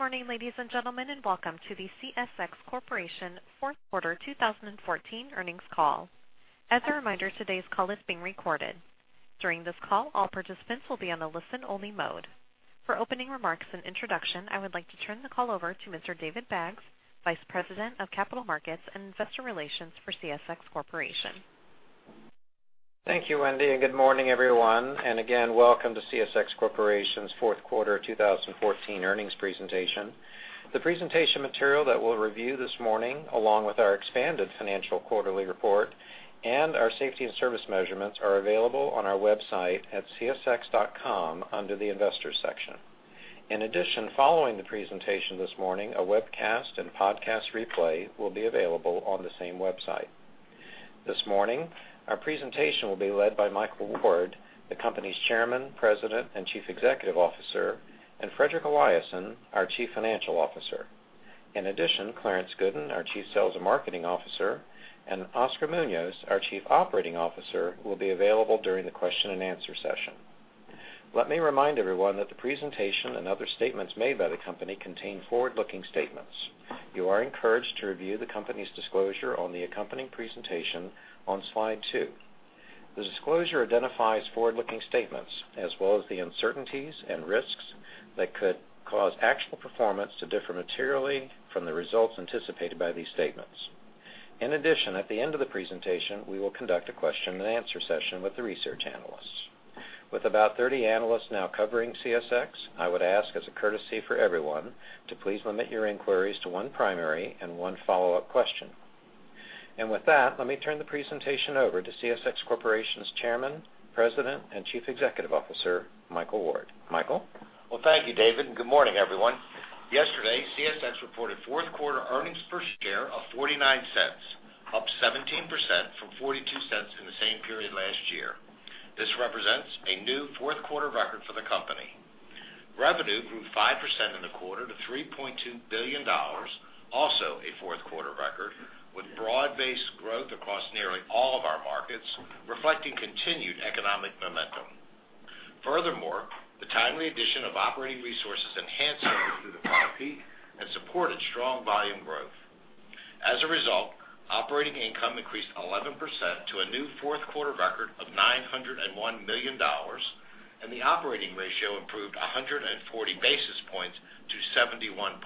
Morning, ladies and gentlemen, and welcome to the CSX Corporation Fourth Quarter 2014 Earnings Call. As a reminder, today's call is being recorded. During this call, all participants will be on a listen-only mode. For opening remarks and introduction, I would like to turn the call over to Mr. David Baggs, Vice President of Capital Markets and Investor Relations for CSX Corporation. Thank you, Wendy, and good morning, everyone. Again, welcome to CSX Corporation's Fourth Quarter 2014 Earnings Presentation. The presentation material that we'll review this morning, along with our expanded financial quarterly report and our safety and service measurements, are available on our website at csx.com under the Investors section. In addition, following the presentation this morning, a webcast and podcast replay will be available on the same website. This morning, our presentation will be led by Michael Ward, the company's Chairman, President, and Chief Executive Officer, and Fredrik Eliasson, our Chief Financial Officer. In addition, Clarence Gooden, our Chief Sales and Marketing Officer, and Oscar Munoz, our Chief Operating Officer, will be available during the question-and-answer session. Let me remind everyone that the presentation and other statements made by the company contain forward-looking statements. You are encouraged to review the company's disclosure on the accompanying presentation on slide two. The disclosure identifies forward-looking statements as well as the uncertainties and risks that could cause actual performance to differ materially from the results anticipated by these statements. In addition, at the end of the presentation, we will conduct a question-and-answer session with the research analysts. With about 30 analysts now covering CSX, I would ask, as a courtesy for everyone, to please limit your inquiries to one primary and one follow-up question. With that, let me turn the presentation over to CSX Corporation's Chairman, President, and Chief Executive Officer, Michael Ward. Michael? Well, thank you, David, and good morning, everyone. Yesterday, CSX reported fourth quarter earnings per share of $0.49, up 17% from $0.42 in the same period last year. This represents a new fourth quarter record for the company. Revenue grew 5% in the quarter to $3.2 billion, also a fourth quarter record, with broad-based growth across nearly all of our markets, reflecting continued economic momentum. Furthermore, the timely addition of operating resources enhanced sales through the product peak and supported strong volume growth. As a result, operating income increased 11% to a new fourth quarter record of $901 million, and the operating ratio improved 140 basis points to 71.8%.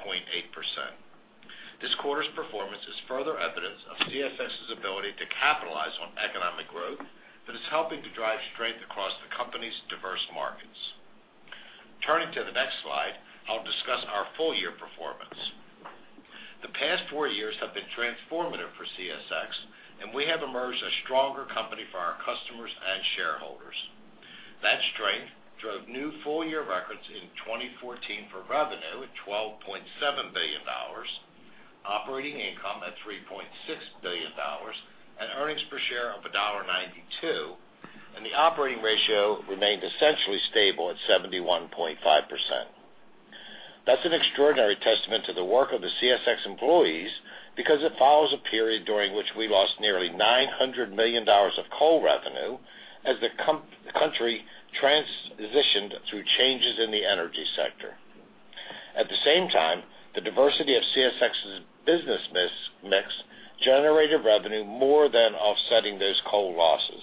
This quarter's performance is further evidence of CSX's ability to capitalize on economic growth that is helping to drive strength across the company's diverse markets. Turning to the next slide, I'll discuss our full-year performance. The past four years have been transformative for CSX, and we have emerged a stronger company for our customers and shareholders. That strength drove new full-year records in 2014 for revenue at $12.7 billion, operating income at $3.6 billion, and earnings per share of $1.92, and the operating ratio remained essentially stable at 71.5%. That's an extraordinary testament to the work of the CSX employees because it follows a period during which we lost nearly $900 million of coal revenue as the country transitioned through changes in the energy sector. At the same time, the diversity of CSX's business mix generated revenue more than offsetting those coal losses.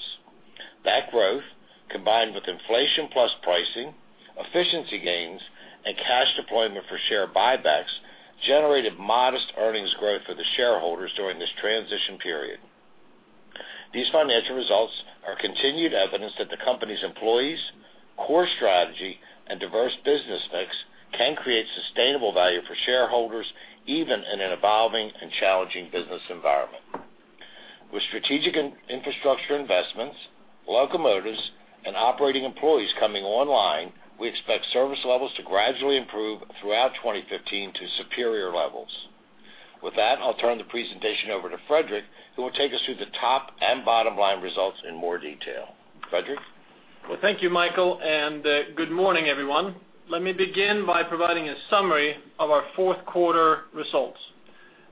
That growth, combined with inflation-plus pricing, efficiency gains, and cash deployment for share buybacks, generated modest earnings growth for the shareholders during this transition period. These financial results are continued evidence that the company's employees, core strategy, and diverse business mix can create sustainable value for shareholders even in an evolving and challenging business environment. With strategic infrastructure investments, locomotives, and operating employees coming online, we expect service levels to gradually improve throughout 2015 to superior levels. With that, I'll turn the presentation over to Fredrik, who will take us through the top and bottom-line results in more detail. Fredrik? Well, thank you, Michael, and good morning, everyone. Let me begin by providing a summary of our fourth quarter results.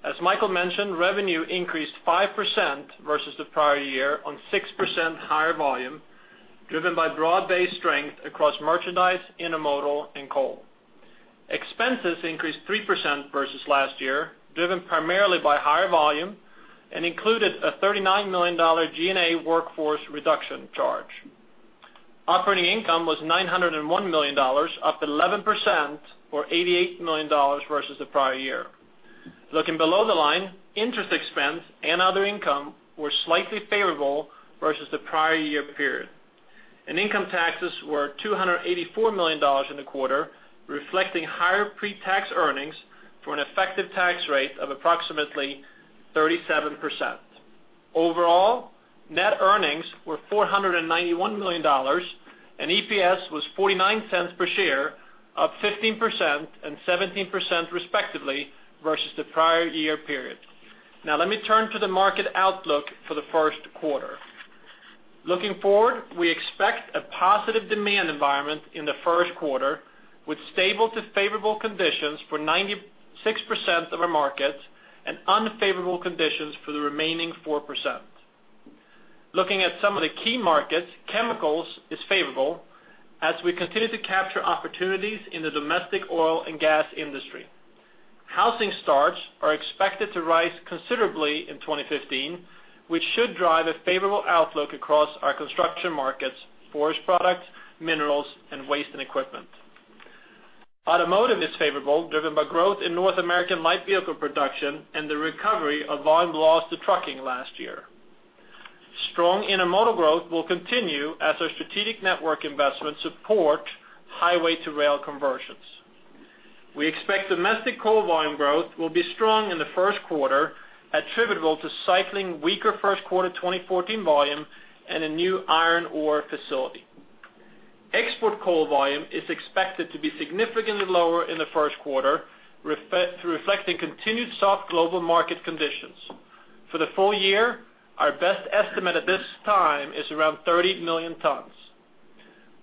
As Michael mentioned, revenue increased 5% versus the prior year on 6% higher volume, driven by broad-based strength across merchandise, Intermodal, and coal. Expenses increased 3% versus last year, driven primarily by higher volume, and included a $39 million G&A workforce reduction charge. Operating income was $901 million, up 11%, or $88 million versus the prior year. Looking below the line, interest expense and other income were slightly favorable versus the prior year period. Income taxes were $284 million in the quarter, reflecting higher pre-tax earnings for an effective tax rate of approximately 37%. Overall, net earnings were $491 million, and EPS was $0.49 per share, up 15% and 17% respectively versus the prior year period. Now, let me turn to the market outlook for the first quarter. Looking forward, we expect a positive demand environment in the first quarter with stable to favorable conditions for 96% of our markets and unfavorable conditions for the remaining 4%. Looking at some of the key markets, chemicals is favorable as we continue to capture opportunities in the domestic oil and gas industry. Housing starts are expected to rise considerably in 2015, which should drive a favorable outlook across our construction markets, forest products, minerals, and waste and equipment. Automotive is favorable, driven by growth in North American light vehicle production and the recovery of volume loss to trucking last year. Strong Intermodal growth will continue as our strategic network investments support highway-to-rail conversions. We expect domestic coal volume growth will be strong in the first quarter, attributable to cycling weaker first quarter 2014 volume and a new iron ore facility. Export coal volume is expected to be significantly lower in the first quarter, reflecting continued soft global market conditions. For the full year, our best estimate at this time is around 30 million tons.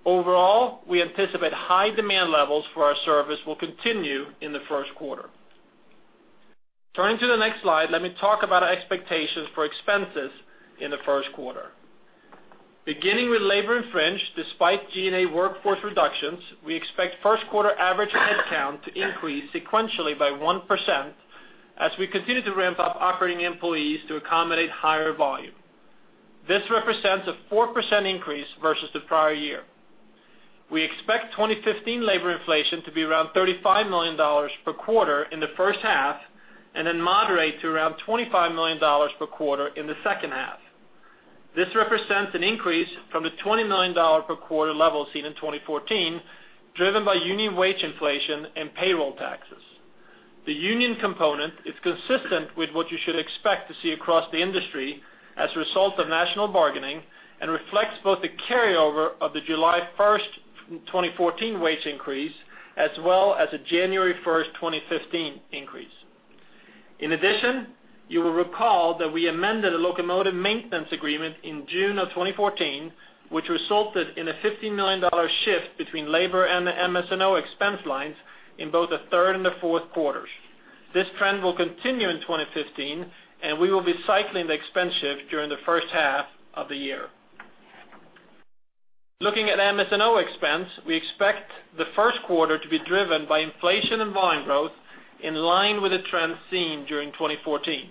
Overall, we anticipate high demand levels for our service will continue in the first quarter. Turning to the next slide, let me talk about our expectations for expenses in the first quarter. Beginning with labor expense, despite G&A workforce reductions, we expect first quarter average headcount to increase sequentially by 1% as we continue to ramp up operating employees to accommodate higher volume. This represents a 4% increase versus the prior year. We expect 2015 labor inflation to be around $35 million per quarter in the first half and then moderate to around $25 million per quarter in the second half. This represents an increase from the $20 million per quarter level seen in 2014, driven by union wage inflation and payroll taxes. The union component is consistent with what you should expect to see across the industry as a result of national bargaining and reflects both the carryover of the July 1st, 2014, wage increase as well as a January 1st, 2015, increase. In addition, you will recall that we amended a locomotive maintenance agreement in June of 2014, which resulted in a $15 million shift between labor and the MS&O expense lines in both the third and the fourth quarters. This trend will continue in 2015, and we will be cycling the expense shift during the first half of the year. Looking at MS&O expense, we expect the first quarter to be driven by inflation and volume growth in line with the trends seen during 2014.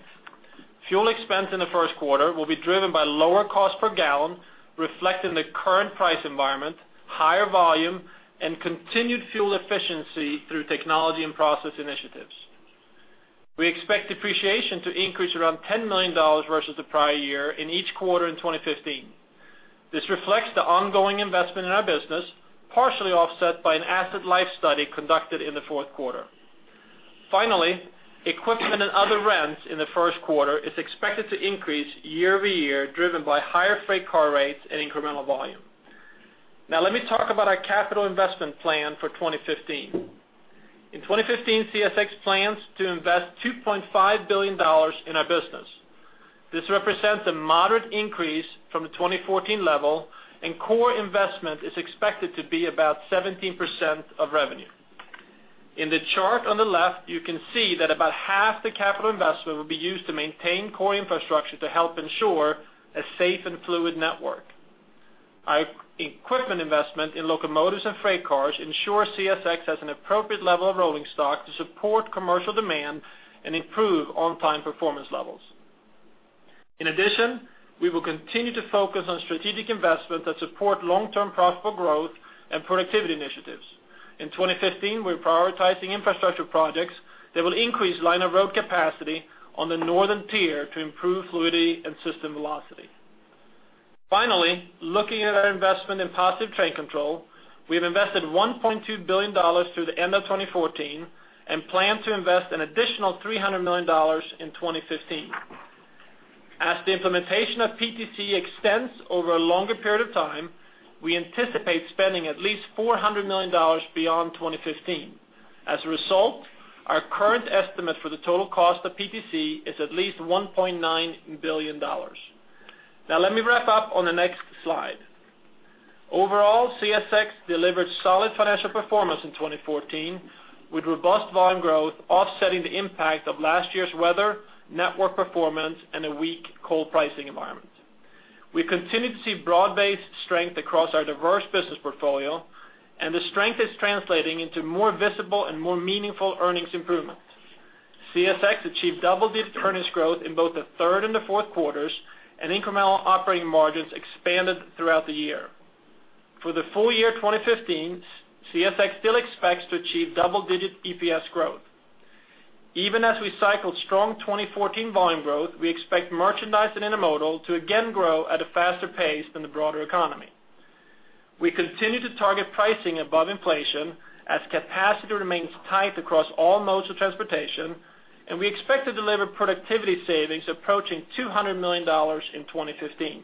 Fuel expense in the first quarter will be driven by lower cost per gallon, reflecting the current price environment, higher volume, and continued fuel efficiency through technology and process initiatives. We expect depreciation to increase around $10 million versus the prior year in each quarter in 2015. This reflects the ongoing investment in our business, partially offset by an asset life study conducted in the fourth quarter. Finally, equipment and other rents in the first quarter is expected to increase year-over-year, driven by higher freight car rates and incremental volume. Now, let me talk about our capital investment plan for 2015. In 2015, CSX plans to invest $2.5 billion in our business. This represents a moderate increase from the 2014 level, and core investment is expected to be about 17% of revenue. In the chart on the left, you can see that about half the capital investment will be used to maintain core infrastructure to help ensure a safe and fluid network. Our equipment investment in locomotives and freight cars ensures CSX has an appropriate level of rolling stock to support commercial demand and improve on-time performance levels. In addition, we will continue to focus on strategic investments that support long-term profitable growth and productivity initiatives. In 2015, we're prioritizing infrastructure projects that will increase line-of-road capacity on the northern tier to improve fluidity and system velocity. Finally, looking at our investment in Positive Train Control, we have invested $1.2 billion through the end of 2014 and plan to invest an additional $300 million in 2015. As the implementation of PTC extends over a longer period of time, we anticipate spending at least $400 million beyond 2015. As a result, our current estimate for the total cost of PTC is at least $1.9 billion. Now, let me wrap up on the next slide. Overall, CSX delivered solid financial performance in 2014 with robust volume growth, offsetting the impact of last year's weather, network performance, and a weak coal pricing environment. We continue to see broad-based strength across our diverse business portfolio, and the strength is translating into more visible and more meaningful earnings improvements. CSX achieved double-digit earnings growth in both the third and the fourth quarters, and incremental operating margins expanded throughout the year. For the full year 2015, CSX still expects to achieve double-digit EPS growth. Even as we cycle strong 2014 volume growth, we expect merchandise and Intermodal to again grow at a faster pace than the broader economy. We continue to target pricing above inflation as capacity remains tight across all modes of transportation, and we expect to deliver productivity savings approaching $200 million in 2015.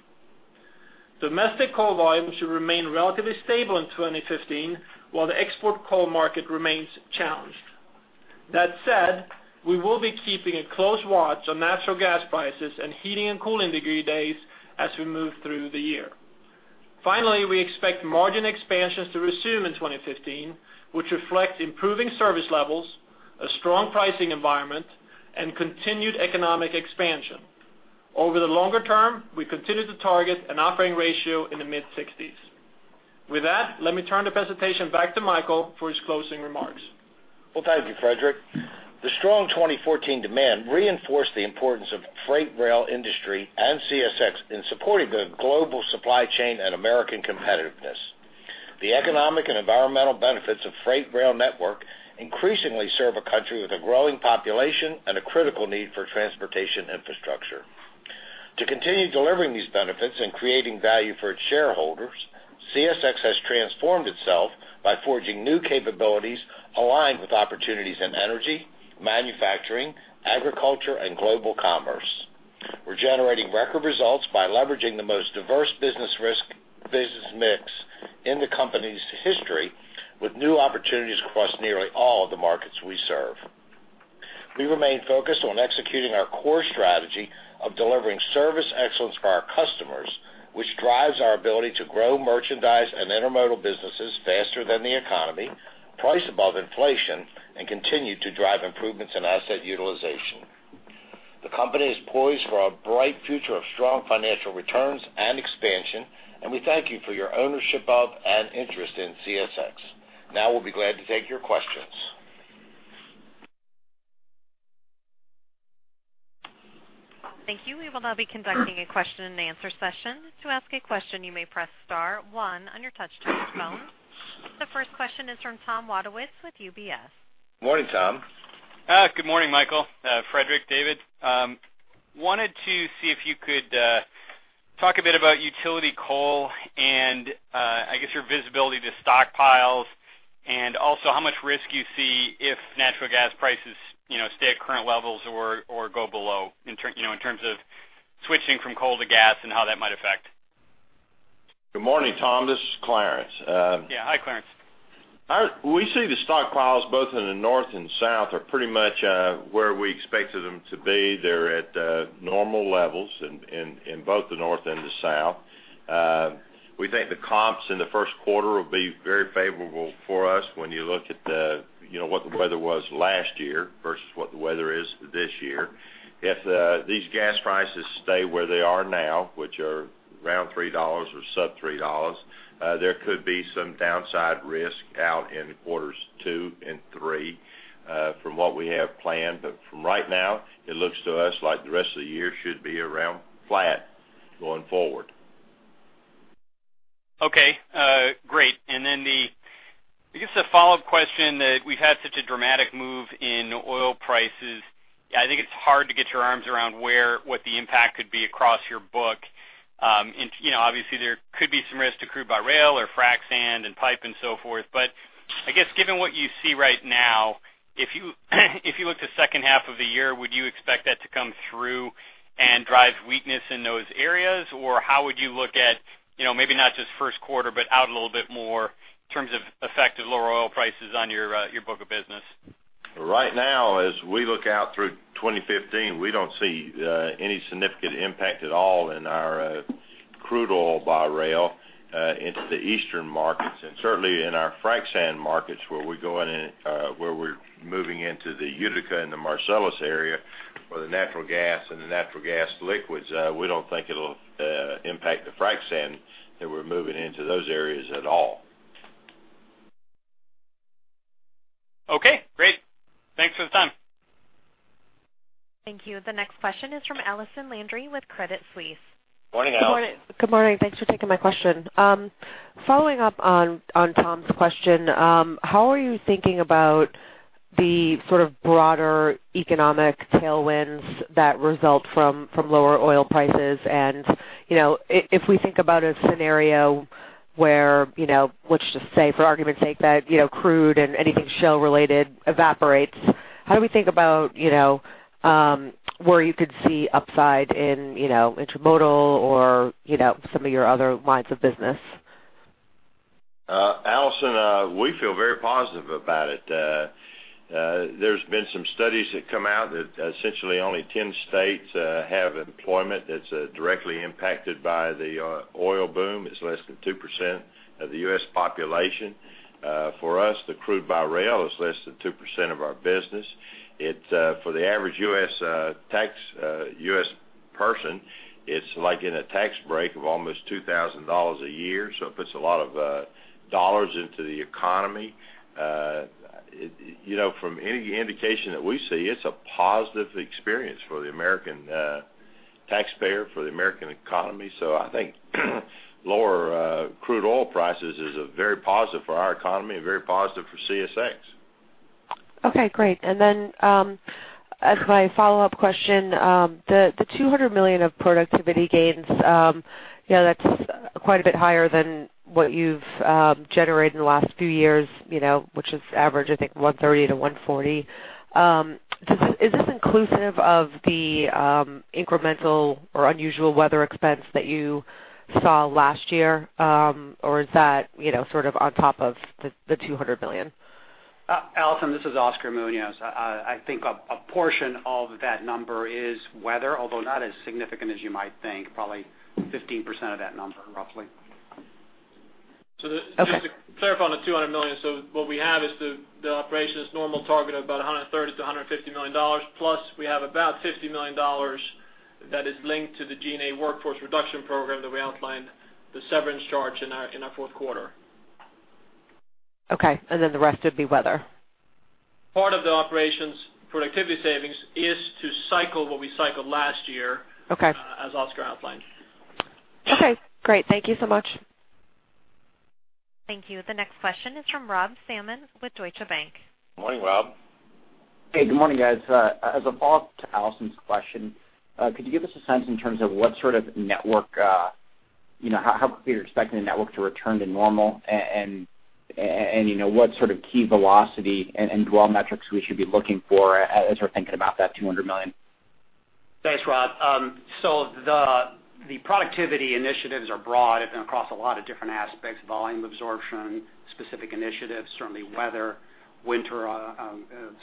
Domestic coal volume should remain relatively stable in 2015 while the export coal market remains challenged. That said, we will be keeping a close watch on natural gas prices and heating and cooling degree days as we move through the year. Finally, we expect margin expansions to resume in 2015, which reflects improving service levels, a strong pricing environment, and continued economic expansion. Over the longer term, we continue to target an operating ratio in the mid-60s. With that, let me turn the presentation back to Michael for his closing remarks. Well, thank you, Fredrik. The strong 2014 demand reinforced the importance of the freight rail industry and CSX in supporting the global supply chain and American competitiveness. The economic and environmental benefits of the freight rail network increasingly serve a country with a growing population and a critical need for transportation infrastructure. To continue delivering these benefits and creating value for its shareholders, CSX has transformed itself by forging new capabilities aligned with opportunities in energy, manufacturing, agriculture, and global commerce. We're generating record results by leveraging the most diverse business mix in the company's history with new opportunities across nearly all of the markets we serve. We remain focused on executing our core strategy of delivering service excellence for our customers, which drives our ability to grow merchandise and Intermodal businesses faster than the economy, price above inflation, and continue to drive improvements in asset utilization. The company is poised for a bright future of strong financial returns and expansion, and we thank you for your ownership of and interest in CSX. Now, we'll be glad to take your questions. Thank you. We will now be conducting a question-and-answer session. To ask a question, you may press star 1 on your touchscreen phone. The first question is from Thomas Wadewitz with UBS. Morning, Tom. Good morning, Michael, Fredrik, David. Wanted to see if you could talk a bit about utility coal and, I guess, your visibility to stockpiles and also how much risk you see if natural gas prices stay at current levels or go below in terms of switching from coal to gas and how that might affect. Good morning, Tom. This is Clarence. Yeah. Hi, Clarence. We see the stockpiles both in the north and south are pretty much where we expected them to be. They're at normal levels in both the north and the south. We think the comps in the first quarter will be very favorable for us when you look at what the weather was last year versus what the weather is this year. If these gas prices stay where they are now, which are around $3 or sub-$3, there could be some downside risk out in quarters two and three from what we have planned. But from right now, it looks to us like the rest of the year should be around flat going forward. Okay. Great. And then I guess a follow-up question that we've had such a dramatic move in oil prices. I think it's hard to get your arms around what the impact could be across your book. Obviously, there could be some risk accrued by rail or frac sand and pipe and so forth. But I guess given what you see right now, if you looked to second half of the year, would you expect that to come through and drive weakness in those areas, or how would you look at maybe not just first quarter but out a little bit more in terms of effective lower oil prices on your book of business? Right now, as we look out through 2015, we don't see any significant impact at all in our crude oil by rail into the eastern markets. Certainly, in our frac sand markets where we're moving into the Utica and the Marcellus area for the natural gas and the natural gas liquids, we don't think it'll impact the frac sand that we're moving into those areas at all. Okay. Great. Thanks for the time. Thank you. The next question is from Allison Landry with Credit Suisse. Morning, Allison. Good morning. Thanks for taking my question. Following up on Tom's question, how are you thinking about the sort of broader economic tailwinds that result from lower oil prices? And if we think about a scenario where let's just say, for argument's sake, that crude and anything shale-related evaporates, how do we think about where you could see upside in Intermodal or some of your other lines of business? Allison, we feel very positive about it. There's been some studies that come out that essentially only 10 states have employment that's directly impacted by the oil boom. It's less than 2% of the U.S. population. For us, the crude by rail is less than 2% of our business. For the average U.S. person, it's like in a tax break of almost $2,000 a year. So it puts a lot of dollars into the economy. From any indication that we see, it's a positive experience for the American taxpayer, for the American economy. So I think lower crude oil prices is very positive for our economy and very positive for CSX. Okay. Great. And then as my follow-up question, the $200 million of productivity gains, that's quite a bit higher than what you've generated in the last few years, which is average, I think, $130 million-$140 million. Is this inclusive of the incremental or unusual weather expense that you saw last year, or is that sort of on top of the $200 million? Allison, this is Oscar Munoz. I think a portion of that number is weather, although not as significant as you might think, probably 15% of that number, roughly. Just to clarify on the $200 million, what we have is the operation's normal target of about $130 million-$150 million, plus we have about $50 million that is linked to the G&A workforce reduction program that we outlined, the severance charge in our fourth quarter. Okay. And then the rest would be weather? Part of the operation's productivity savings is to cycle what we cycled last year, as Oscar outlined. Okay. Great. Thank you so much. Thank you. The next question is from Rob Salmon with Deutsche Bank. Morning, Rob. Hey. Good morning, guys. As a follow-up to Allison's question, could you give us a sense in terms of what sort of network, how quickly you're expecting the network to return to normal and what sort of key velocity and dwell metrics we should be looking for as we're thinking about that $200 million? Thanks, Rob. So the productivity initiatives are broad across a lot of different aspects: volume absorption, specific initiatives, certainly weather, winter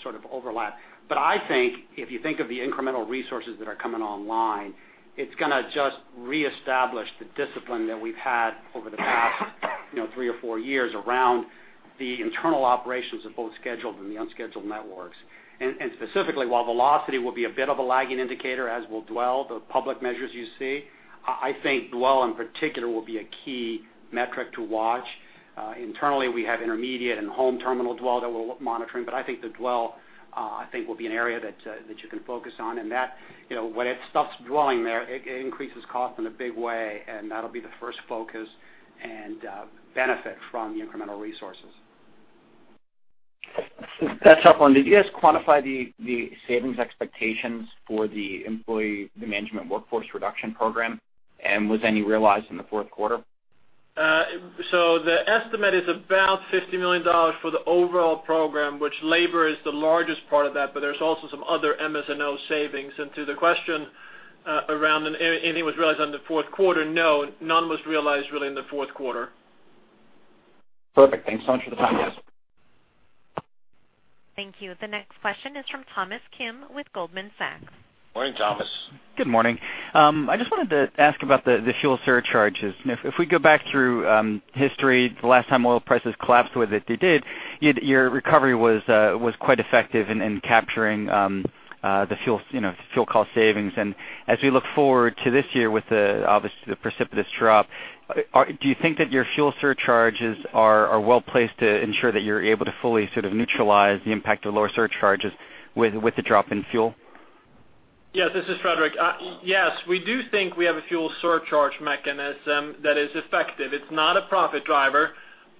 sort of overlap. But I think if you think of the incremental resources that are coming online, it's going to just reestablish the discipline that we've had over the past three or four years around the internal operations of both scheduled and the unscheduled networks. And specifically, while velocity will be a bit of a lagging indicator as we'll dwell, the public measures you see, I think dwell in particular will be a key metric to watch. Internally, we have intermediate and home terminal dwell that we're monitoring. But I think the dwell, I think, will be an area that you can focus on. And when it stops dwelling there, it increases cost in a big way, and that'll be the first focus and benefit from the incremental resources. That's helpful. Did you guys quantify the savings expectations for the employee management workforce reduction program? Was any realized in the fourth quarter? The estimate is about $50 million for the overall program, which labor is the largest part of that, but there's also some other MS&O savings. To the question around anything that was realized in the fourth quarter, no. None was realized really in the fourth quarter. Perfect. Thanks so much for the time, guys. Thank you. The next question is from Thomas Kim with Goldman Sachs. Morning, Thomas. Good morning. I just wanted to ask about the fuel surcharges. If we go back through history, the last time oil prices collapsed the way that they did, your recovery was quite effective in capturing the fuel cost savings. As we look forward to this year with, obviously, the precipitous drop, do you think that your fuel surcharges are well-placed to ensure that you're able to fully sort of neutralize the impact of lower surcharges with the drop in fuel? Yes. This is Fredrik. Yes. We do think we have a fuel surcharge mechanism that is effective. It's not a profit driver,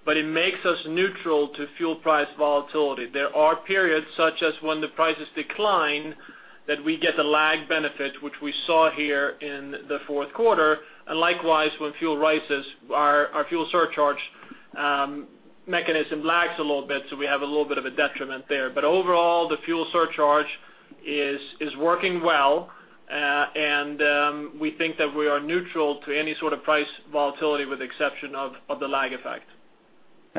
but it makes us neutral to fuel price volatility. There are periods such as when the prices decline that we get the lag benefit, which we saw here in the fourth quarter. And likewise, when fuel rises, our fuel surcharge mechanism lags a little bit, so we have a little bit of a detriment there. But overall, the fuel surcharge is working well, and we think that we are neutral to any sort of price volatility with the exception of the lag effect.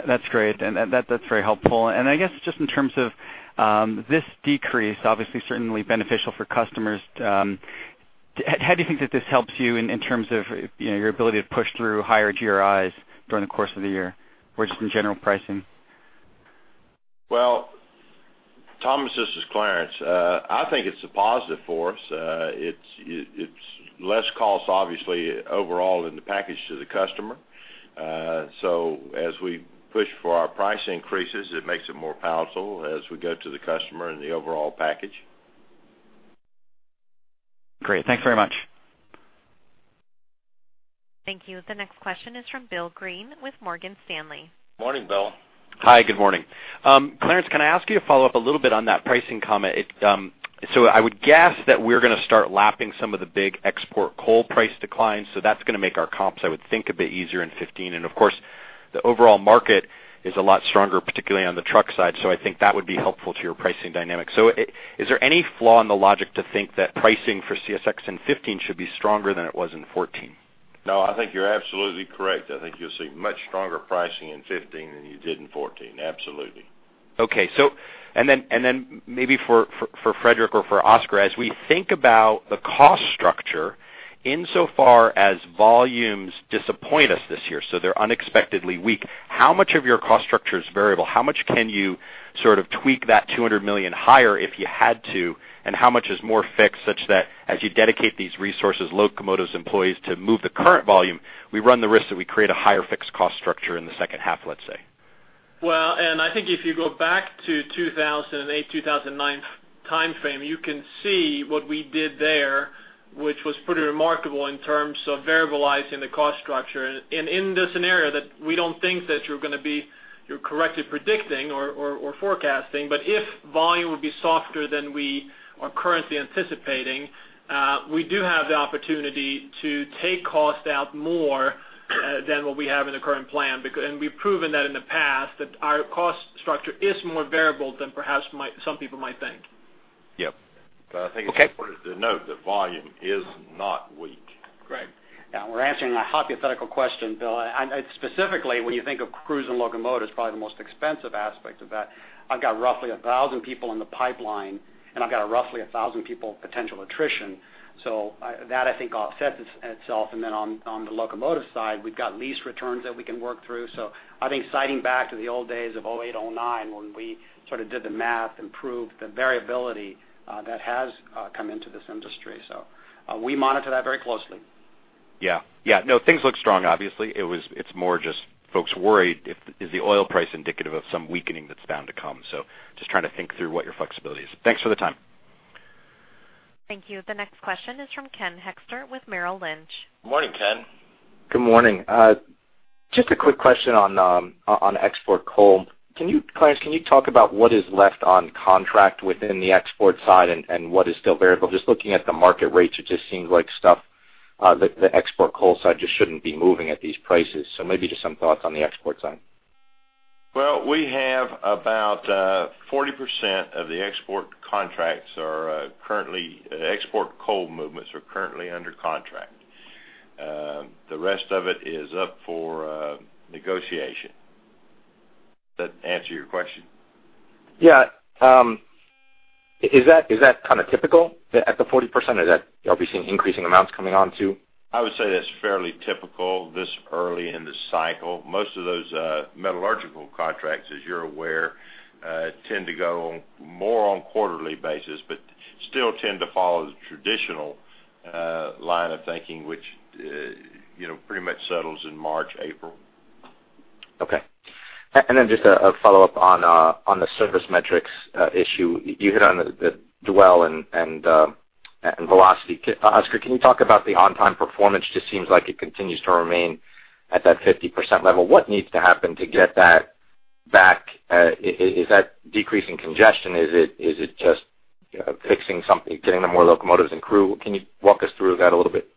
That's great. That's very helpful. I guess just in terms of this decrease, obviously, certainly beneficial for customers, how do you think that this helps you in terms of your ability to push through higher GRIs during the course of the year or just in general pricing? Well, Thomas, this is Clarence. I think it's a positive for us. It's less cost, obviously, overall in the package to the customer. So as we push for our price increases, it makes it more powerful as we go to the customer in the overall package. Great. Thanks very much. Thank you. The next question is from William Greene with Morgan Stanley. Morning, Bill. Hi. Good morning. Clarence, can I ask you a follow-up a little bit on that pricing comment? So I would guess that we're going to start lapping some of the big export coal price declines. So that's going to make our comps, I would think, a bit easier in 2015. And of course, the overall market is a lot stronger, particularly on the truck side. So I think that would be helpful to your pricing dynamic. So is there any flaw in the logic to think that pricing for CSX in 2015 should be stronger than it was in 2014? No. I think you're absolutely correct. I think you'll see much stronger pricing in 2015 than you did in 2014. Absolutely. Okay. Then maybe for Fredrik or for Oscar, as we think about the cost structure insofar as volumes disappoint us this year, so they're unexpectedly weak, how much of your cost structure is variable? How much can you sort of tweak that $200 million higher if you had to, and how much is more fixed such that as you dedicate these resources, locomotives, employees to move the current volume, we run the risk that we create a higher fixed cost structure in the second half, let's say? Well, I think if you go back to 2008, 2009 timeframe, you can see what we did there, which was pretty remarkable in terms of variabilizing the cost structure. In the scenario that we don't think that you're going to be correctly predicting or forecasting, but if volume would be softer than we are currently anticipating, we do have the opportunity to take cost out more than what we have in the current plan. We've proven that in the past, that our cost structure is more variable than perhaps some people might think. Yep. I think it's important to note that volume is not weak. Right. Now, we're answering a hypothetical question, Bill. Specifically, when you think of crews and locomotives, probably the most expensive aspect of that, I've got roughly 1,000 people in the pipeline, and I've got roughly 1,000 people potential attrition. So that, I think, offsets itself. And then on the locomotive side, we've got lease returns that we can work through. So I think citing back to the old days of 2008, 2009 when we sort of did the math and proved the variability that has come into this industry. So we monitor that very closely. Yeah. Yeah. No. Things look strong, obviously. It's more just folks worried, "Is the oil price indicative of some weakening that's bound to come?" So just trying to think through what your flexibility is. Thanks for the time. Thank you. The next question is from Ken Hoexter with Merrill Lynch. Morning, Ken. Good morning. Just a quick question on export coal. Clarence, can you talk about what is left on contract within the export side and what is still variable? Just looking at the market rates, it just seems like stuff, the export coal side, just shouldn't be moving at these prices. So maybe just some thoughts on the export side. Well, we have about 40% of the export contracts are currently export coal movements are currently under contract. The rest of it is up for negotiation. Does that answer your question? Yeah. Is that kind of typical at the 40%, or are we seeing increasing amounts coming on too? I would say that's fairly typical this early in the cycle. Most of those metallurgical contracts, as you're aware, tend to go more on quarterly basis but still tend to follow the traditional line of thinking, which pretty much settles in March, April. Okay. And then just a follow-up on the service metrics issue. You hit on the dwell and velocity. Oscar, can you talk about the on-time performance? It just seems like it continues to remain at that 50% level. What needs to happen to get that back? Is that decreasing congestion? Is it just getting the more locomotives and crew? Can you walk us through that a little bit?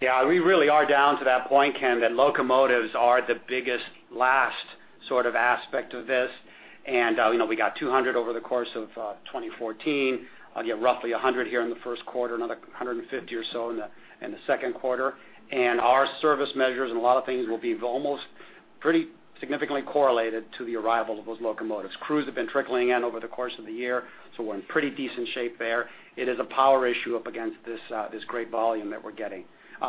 Yeah. We really are down to that point, Ken, that locomotives are the biggest last sort of aspect of this. We got 200 over the course of 2014. I'll get roughly 100 here in the first quarter, another 150 or so in the second quarter. Our service measures and a lot of things will be almost pretty significantly correlated to the arrival of those locomotives. Crews have been trickling in over the course of the year, so we're in pretty decent shape there. It is a power issue up against this great volume that we're getting.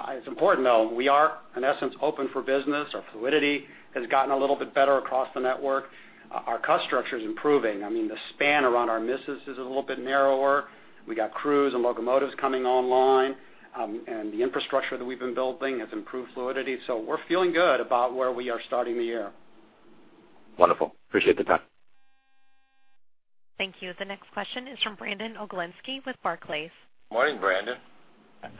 It's important, though. We are, in essence, open for business. Our fluidity has gotten a little bit better across the network. Our customer structure is improving. I mean, the span around our misses is a little bit narrower. We got crews and locomotives coming online, and the infrastructure that we've been building has improved fluidity. So we're feeling good about where we are starting the year. Wonderful. Appreciate the time. Thank you. The next question is from Brandon Oglensky with Barclays. Morning, Brandon.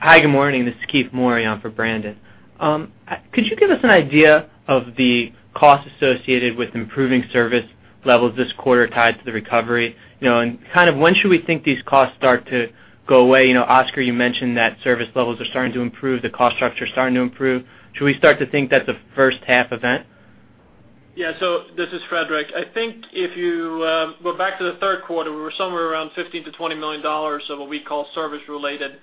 Hi. Good morning. This is Keith Mori for Brandon. Could you give us an idea of the costs associated with improving service levels this quarter tied to the recovery? And kind of when should we think these costs start to go away? Oscar, you mentioned that service levels are starting to improve, the cost structure is starting to improve. Should we start to think that's a first-half event? Yeah. So this is Fredrik. I think if you go back to the third quarter, we were somewhere around $15 million-$20 million of what we call service-related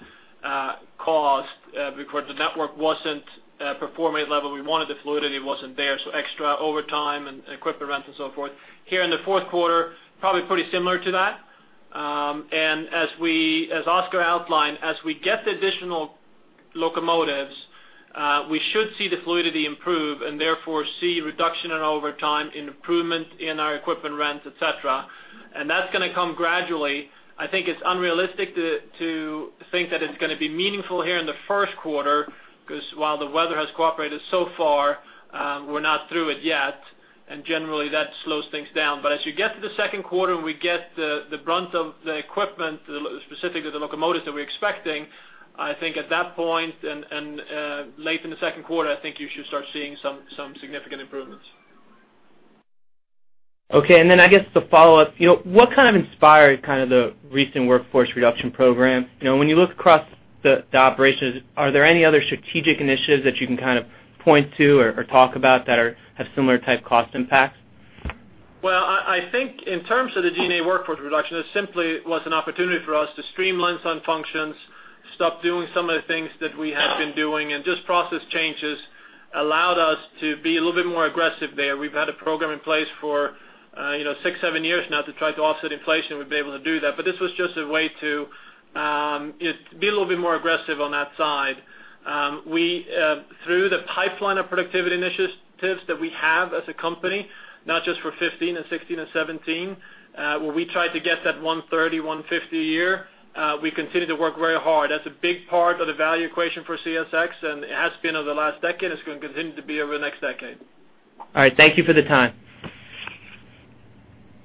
costs because the network wasn't performing at the level we wanted. The fluidity wasn't there, so extra overtime and equipment rent and so forth. Here in the fourth quarter, probably pretty similar to that. And as Oscar outlined, as we get the additional locomotives, we should see the fluidity improve and therefore see reduction in overtime, improvement in our equipment rent, etc. And that's going to come gradually. I think it's unrealistic to think that it's going to be meaningful here in the first quarter because while the weather has cooperated so far, we're not through it yet. And generally, that slows things down. But as you get to the second quarter and we get the brunt of the equipment, specifically the locomotives that we're expecting, I think at that point and late in the second quarter, I think you should start seeing some significant improvements. Okay. And then I guess the follow-up, what kind of inspired kind of the recent workforce reduction program? When you look across the operations, are there any other strategic initiatives that you can kind of point to or talk about that have similar type cost impacts? Well, I think in terms of the G&A workforce reduction, it simply was an opportunity for us to streamline some functions, stop doing some of the things that we had been doing, and just process changes allowed us to be a little bit more aggressive there. We've had a program in place for 6, 7 years now to try to offset inflation. We've been able to do that. But this was just a way to be a little bit more aggressive on that side. Through the pipeline of productivity initiatives that we have as a company, not just for 2015 and 2016 and 2017, where we tried to get that 130-150 a year, we continue to work very hard. That's a big part of the value equation for CSX, and it has been over the last decade. It's going to continue to be over the next decade. All right. Thank you for the time.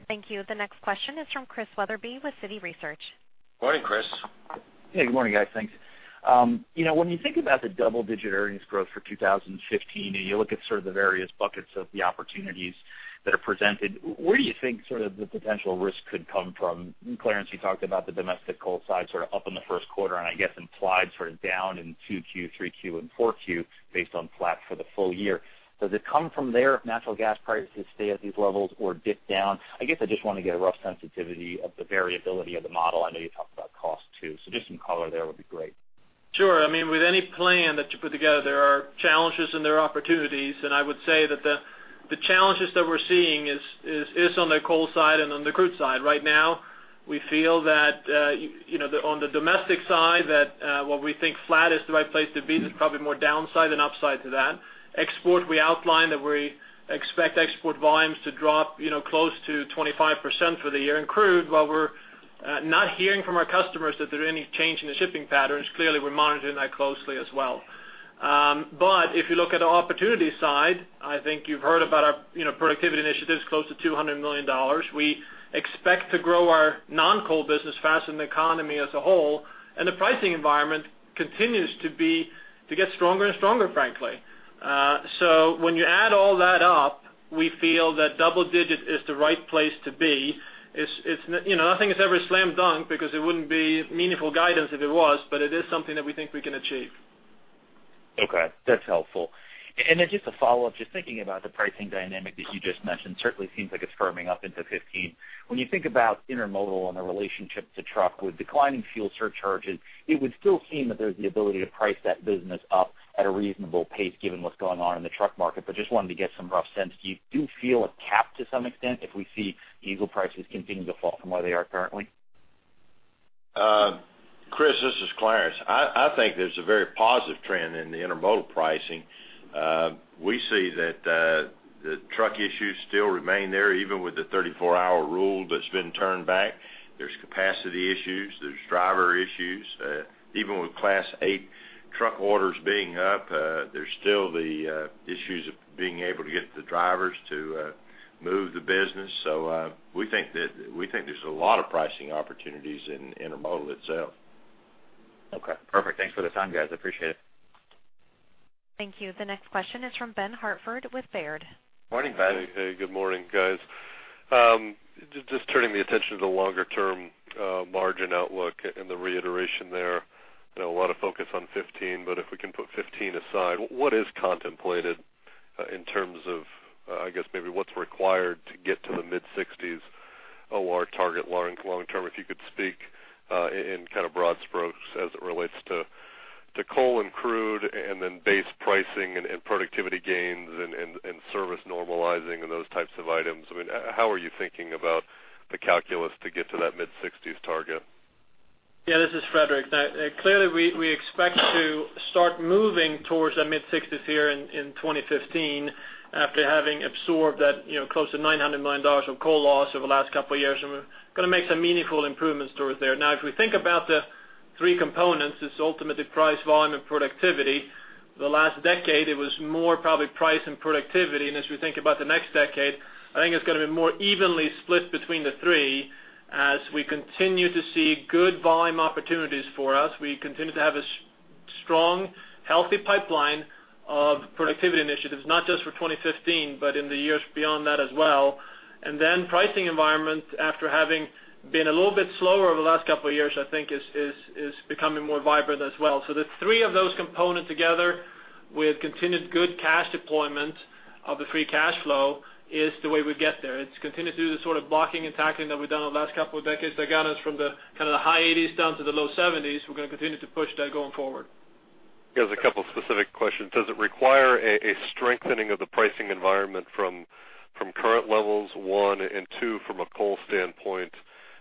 Thank you. The next question is from Chris Wetherbee with Citi Research. Morning, Chris. Hey. Good morning, guys. Thanks. When you think about the double-digit earnings growth for 2015 and you look at sort of the various buckets of the opportunities that are presented, where do you think sort of the potential risk could come from? Clarence, you talked about the domestic coal side sort of up in the first quarter and I guess implied sort of down in Q2, Q3, and Q4 based on flat for the full year. Does it come from there if natural gas prices stay at these levels or dip down? I guess I just want to get a rough sensitivity of the variability of the model. I know you talked about cost too. So just some color there would be great. Sure. I mean, with any plan that you put together, there are challenges and there are opportunities. And I would say that the challenges that we're seeing is on the coal side and on the crude side. Right now, we feel that on the domestic side, that what we think flat is the right place to be, there's probably more downside than upside to that. Export, we outline that we expect export volumes to drop close to 25% for the year. And crude, while we're not hearing from our customers that there's any change in the shipping patterns, clearly, we're monitoring that closely as well. But if you look at the opportunity side, I think you've heard about our productivity initiatives, close to $200 million. We expect to grow our non-coal business faster than the economy as a whole. And the pricing environment continues to get stronger and stronger, frankly. So when you add all that up, we feel that double-digit is the right place to be. Nothing is ever slam dunk because it wouldn't be meaningful guidance if it was, but it is something that we think we can achieve. Okay. That's helpful. And then just a follow-up, just thinking about the pricing dynamic that you just mentioned, certainly seems like it's firming up into 2015. When you think about Intermodal and the relationship to truck with declining fuel surcharges, it would still seem that there's the ability to price that business up at a reasonable pace given what's going on in the truck market. But just wanted to get some rough sense. Do you feel a cap to some extent if we see diesel prices continue to fall from where they are currently? Chris, this is Clarence. I think there's a very positive trend in the Intermodal pricing. We see that the truck issues still remain there even with the 34-hour rule that's been turned back. There's capacity issues. There's driver issues. Even with Class 8 truck orders being up, there's still the issues of being able to get the drivers to move the business. So we think there's a lot of pricing opportunities in Intermodal itself. Okay. Perfect. Thanks for the time, guys. Appreciate it. Thank you. The next question is from Ben Hartford with Baird. Morning, Ben. Hey. Hey. Good morning, guys. Just turning the attention to the longer-term margin outlook and the reiteration there, a lot of focus on 2015. But if we can put 2015 aside, what is contemplated in terms of, I guess, maybe what's required to get to the mid-60s OR target long-term, if you could speak in kind of broad strokes as it relates to coal and crude and then base pricing and productivity gains and service normalizing and those types of items? I mean, how are you thinking about the calculus to get to that mid-60s target? Yeah. This is Fredrik. Clearly, we expect to start moving towards that mid-60s here in 2015 after having absorbed that close to $900 million of coal loss over the last couple of years. And we're going to make some meaningful improvements towards there. Now, if we think about the three components, it's ultimately price, volume, and productivity. The last decade, it was more probably price and productivity. And as we think about the next decade, I think it's going to be more evenly split between the three as we continue to see good volume opportunities for us. We continue to have a strong, healthy pipeline of productivity initiatives, not just for 2015 but in the years beyond that as well. And then pricing environment after having been a little bit slower over the last couple of years, I think, is becoming more vibrant as well. The three of those components together with continued good cash deployment of the free cash flow is the way we get there. It's continued to do the sort of blocking and tackling that we've done over the last couple of decades that got us from kind of the high 80s down to the low 70s. We're going to continue to push that going forward. He has a couple of specific questions. Does it require a strengthening of the pricing environment from current levels, 1, and 2, from a coal standpoint?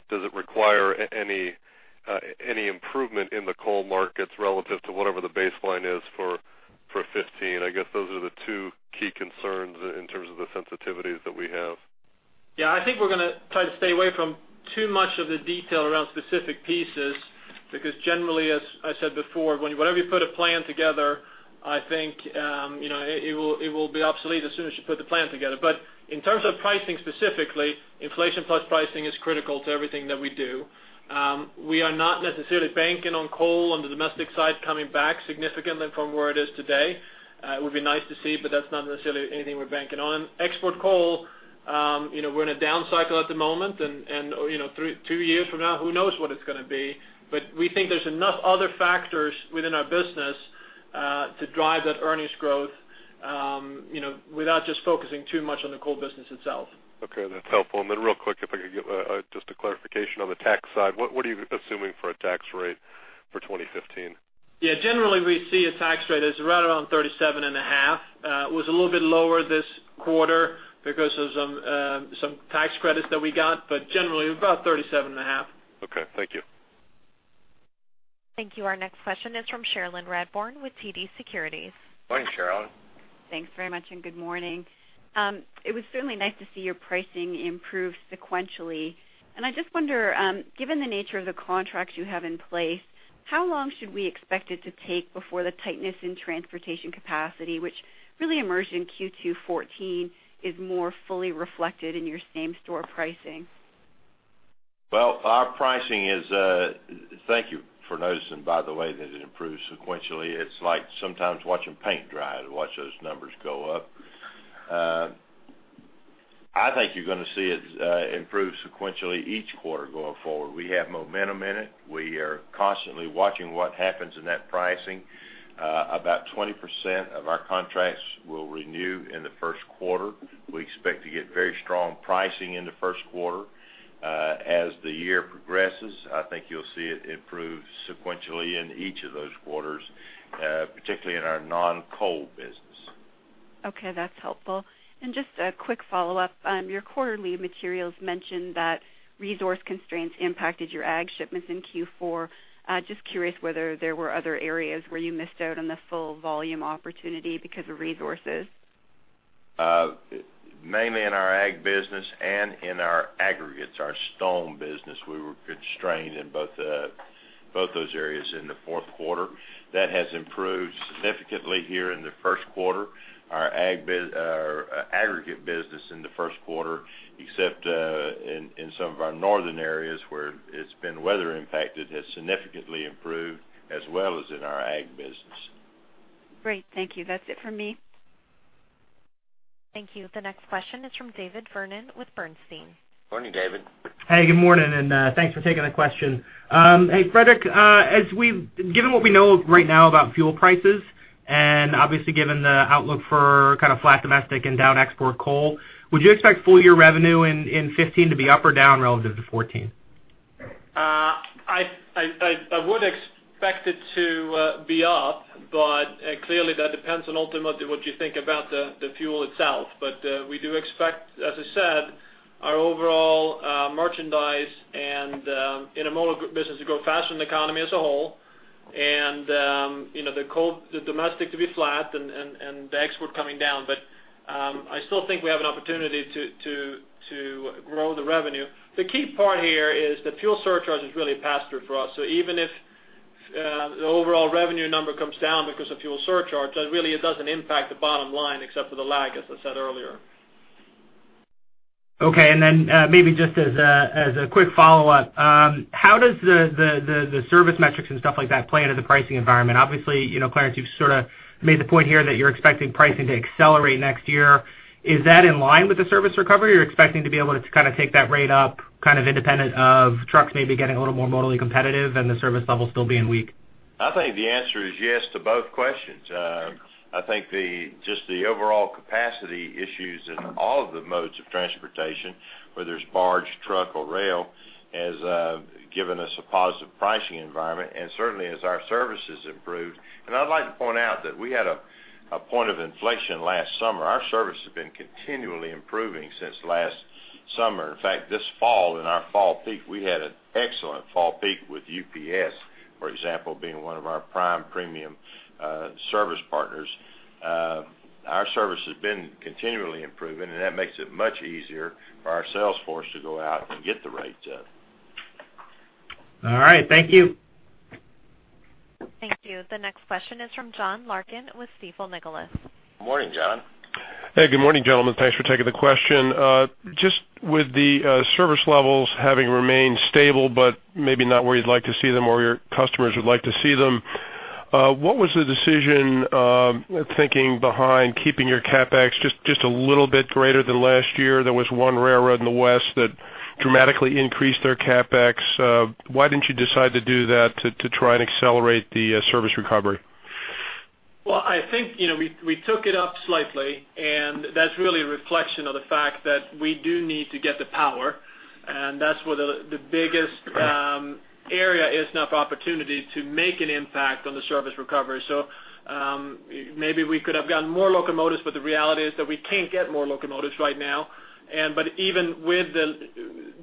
Does it require any improvement in the coal markets relative to whatever the baseline is for 2015? I guess those are the two key concerns in terms of the sensitivities that we have. Yeah. I think we're going to try to stay away from too much of the detail around specific pieces because generally, as I said before, whenever you put a plan together, I think it will be obsolete as soon as you put the plan together. But in terms of pricing specifically, inflation-plus pricing is critical to everything that we do. We are not necessarily banking on coal on the domestic side coming back significantly from where it is today. It would be nice to see, but that's not necessarily anything we're banking on. Export coal, we're in a down cycle at the moment. And two years from now, who knows what it's going to be? But we think there's enough other factors within our business to drive that earnings growth without just focusing too much on the coal business itself. Okay. That's helpful. Real quick, if I could get just a clarification on the tax side, what are you assuming for a tax rate for 2015? Yeah. Generally, we see a tax rate as right around 37.5%. It was a little bit lower this quarter because of some tax credits that we got. But generally, about 37.5%. Okay. Thank you. Thank you. Our next question is from Cherilyn Radbourne with TD Securities. Morning, Cherilyn. Thanks very much, and good morning. It was certainly nice to see your pricing improve sequentially. I just wonder, given the nature of the contracts you have in place, how long should we expect it to take before the tightness in transportation capacity, which really emerged in Q2 2014, is more fully reflected in your same-store pricing? Well, our pricing is. Thank you for noticing, by the way, that it improves sequentially. It's like sometimes watching paint dry to watch those numbers go up. I think you're going to see it improve sequentially each quarter going forward. We have momentum in it. We are constantly watching what happens in that pricing. About 20% of our contracts will renew in the first quarter. We expect to get very strong pricing in the first quarter. As the year progresses, I think you'll see it improve sequentially in each of those quarters, particularly in our non-coal business. Okay. That's helpful. And just a quick follow-up, your quarterly materials mentioned that resource constraints impacted your ag shipments in Q4. Just curious whether there were other areas where you missed out on the full volume opportunity because of resources? Mainly in our ag business and in our aggregates, our stone business. We were constrained in both those areas in the fourth quarter. That has improved significantly here in the first quarter. Our aggregate business in the first quarter, except in some of our northern areas where it's been weather-impacted, has significantly improved as well as in our ag business. Great. Thank you. That's it for me. Thank you. The next question is from David Vernon with Bernstein. Morning, David. Hey. Good morning. Thanks for taking the question. Hey, Fredrik, given what we know right now about fuel prices and obviously given the outlook for kind of flat domestic and down export coal, would you expect full-year revenue in 2015 to be up or down relative to 2014? I would expect it to be up, but clearly, that depends on ultimately what you think about the fuel itself. But we do expect, as I said, our overall merchandise and Intermodal business to grow faster in the economy as a whole and the domestic to be flat and the export coming down. But I still think we have an opportunity to grow the revenue. The key part here is the fuel surcharge is really a pass-through for us. So even if the overall revenue number comes down because of fuel surcharge, really, it doesn't impact the bottom line except for the lag, as I said earlier. Okay. Then maybe just as a quick follow-up, how does the service metrics and stuff like that play into the pricing environment? Obviously, Clarence, you've sort of made the point here that you're expecting pricing to accelerate next year. Is that in line with the service recovery? Are you expecting to be able to kind of take that rate up kind of independent of trucks maybe getting a little more modally competitive and the service level still being weak? I think the answer is yes to both questions. I think just the overall capacity issues in all of the modes of transportation, whether it's barge, truck, or rail, has given us a positive pricing environment and certainly as our services improved. And I'd like to point out that we had a point of inflation last summer. Our service has been continually improving since last summer. In fact, this fall, in our fall peak, we had an excellent fall peak with UPS, for example, being one of our prime premium service partners. Our service has been continually improving, and that makes it much easier for our sales force to go out and get the rates up. All right. Thank you. Thank you. The next question is from John Larkin with Stifel Nicolaus. Morning, John. Hey. Good morning, gentlemen. Thanks for taking the question. Just with the service levels having remained stable but maybe not where you'd like to see them or your customers would like to see them, what was the decision thinking behind keeping your CapEx just a little bit greater than last year? There was one railroad in the west that dramatically increased their CapEx. Why didn't you decide to do that to try and accelerate the service recovery? Well, I think we took it up slightly, and that's really a reflection of the fact that we do need to get the power. And that's where the biggest area is enough opportunity to make an impact on the service recovery. So maybe we could have gotten more locomotives, but the reality is that we can't get more locomotives right now. But even with the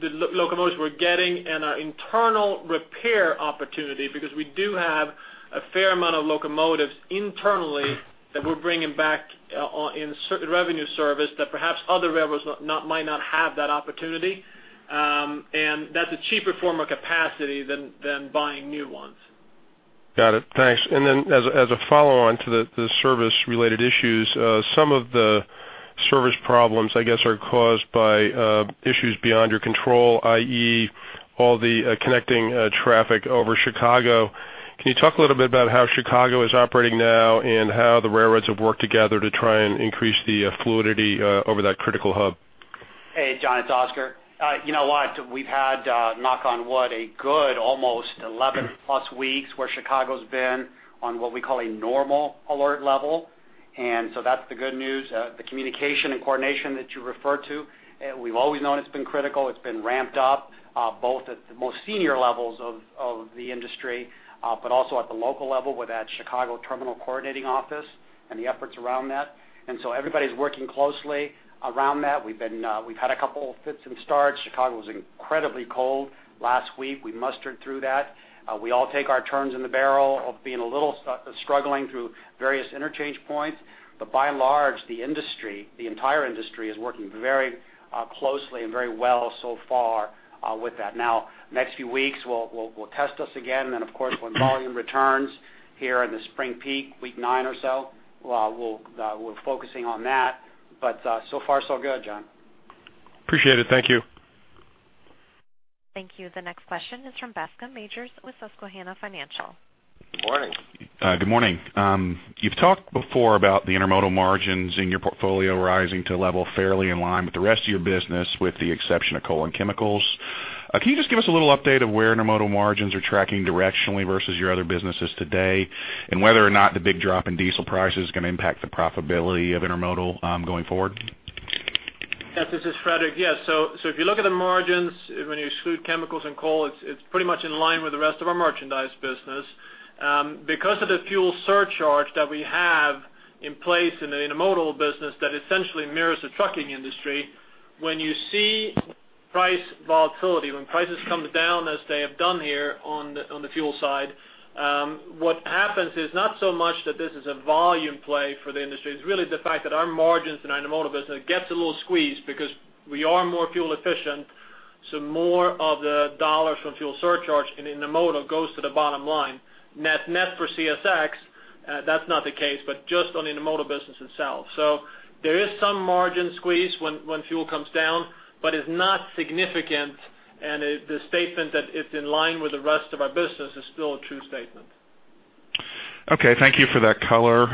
locomotives we're getting and our internal repair opportunity, because we do have a fair amount of locomotives internally that we're bringing back in revenue service, that perhaps other railroads might not have that opportunity. And that's a cheaper form of capacity than buying new ones. Got it. Thanks. And then as a follow-on to the service-related issues, some of the service problems, I guess, are caused by issues beyond your control, i.e., all the connecting traffic over Chicago. Can you talk a little bit about how Chicago is operating now and how the railroads have worked together to try and increase the fluidity over that critical hub? Hey, John. It's Oscar. You know what? We've had, knock on wood, a good almost 11+ weeks where Chicago's been on what we call a normal alert level. And so that's the good news. The communication and coordination that you referred to, we've always known it's been critical. It's been ramped up both at the most senior levels of the industry but also at the local level with that Chicago Terminal Coordinating Office and the efforts around that. And so everybody's working closely around that. We've had a couple of fits and starts. Chicago was incredibly cold last week. We mustered through that. We all take our turns in the barrel of being a little struggling through various interchange points. But by and large, the entire industry is working very closely and very well so far with that. Now, next few weeks, we'll test us again. And then, of course, when volume returns here in the spring peak, week nine or so, we're focusing on that. But so far, so good, John. Appreciate it. Thank you. Thank you. The next question is from Bascome Majors with Susquehanna Financial. Good morning. Good morning. You've talked before about the Intermodal margins in your portfolio rising to a level fairly in line with the rest of your business with the exception of coal and chemicals. Can you just give us a little update of where Intermodal margins are tracking directionally versus your other businesses today and whether or not the big drop in diesel prices is going to impact the profitability of Intermodal going forward? Yes. This is Fredrik. Yeah. So if you look at the margins, when you exclude chemicals and coal, it's pretty much in line with the rest of our merchandise business. Because of the fuel surcharge that we have in place in the Intermodal business that essentially mirrors the trucking industry, when you see price volatility, when prices come down as they have done here on the fuel side, what happens is not so much that this is a volume play for the industry. It's really the fact that our margins in our Intermodal business gets a little squeezed because we are more fuel-efficient. So more of the dollars from fuel surcharge in Intermodal goes to the bottom line. Net for CSX, that's not the case but just on the Intermodal business itself. So there is some margin squeeze when fuel comes down, but it's not significant. The statement that it's in line with the rest of our business is still a true statement. Okay. Thank you for that color.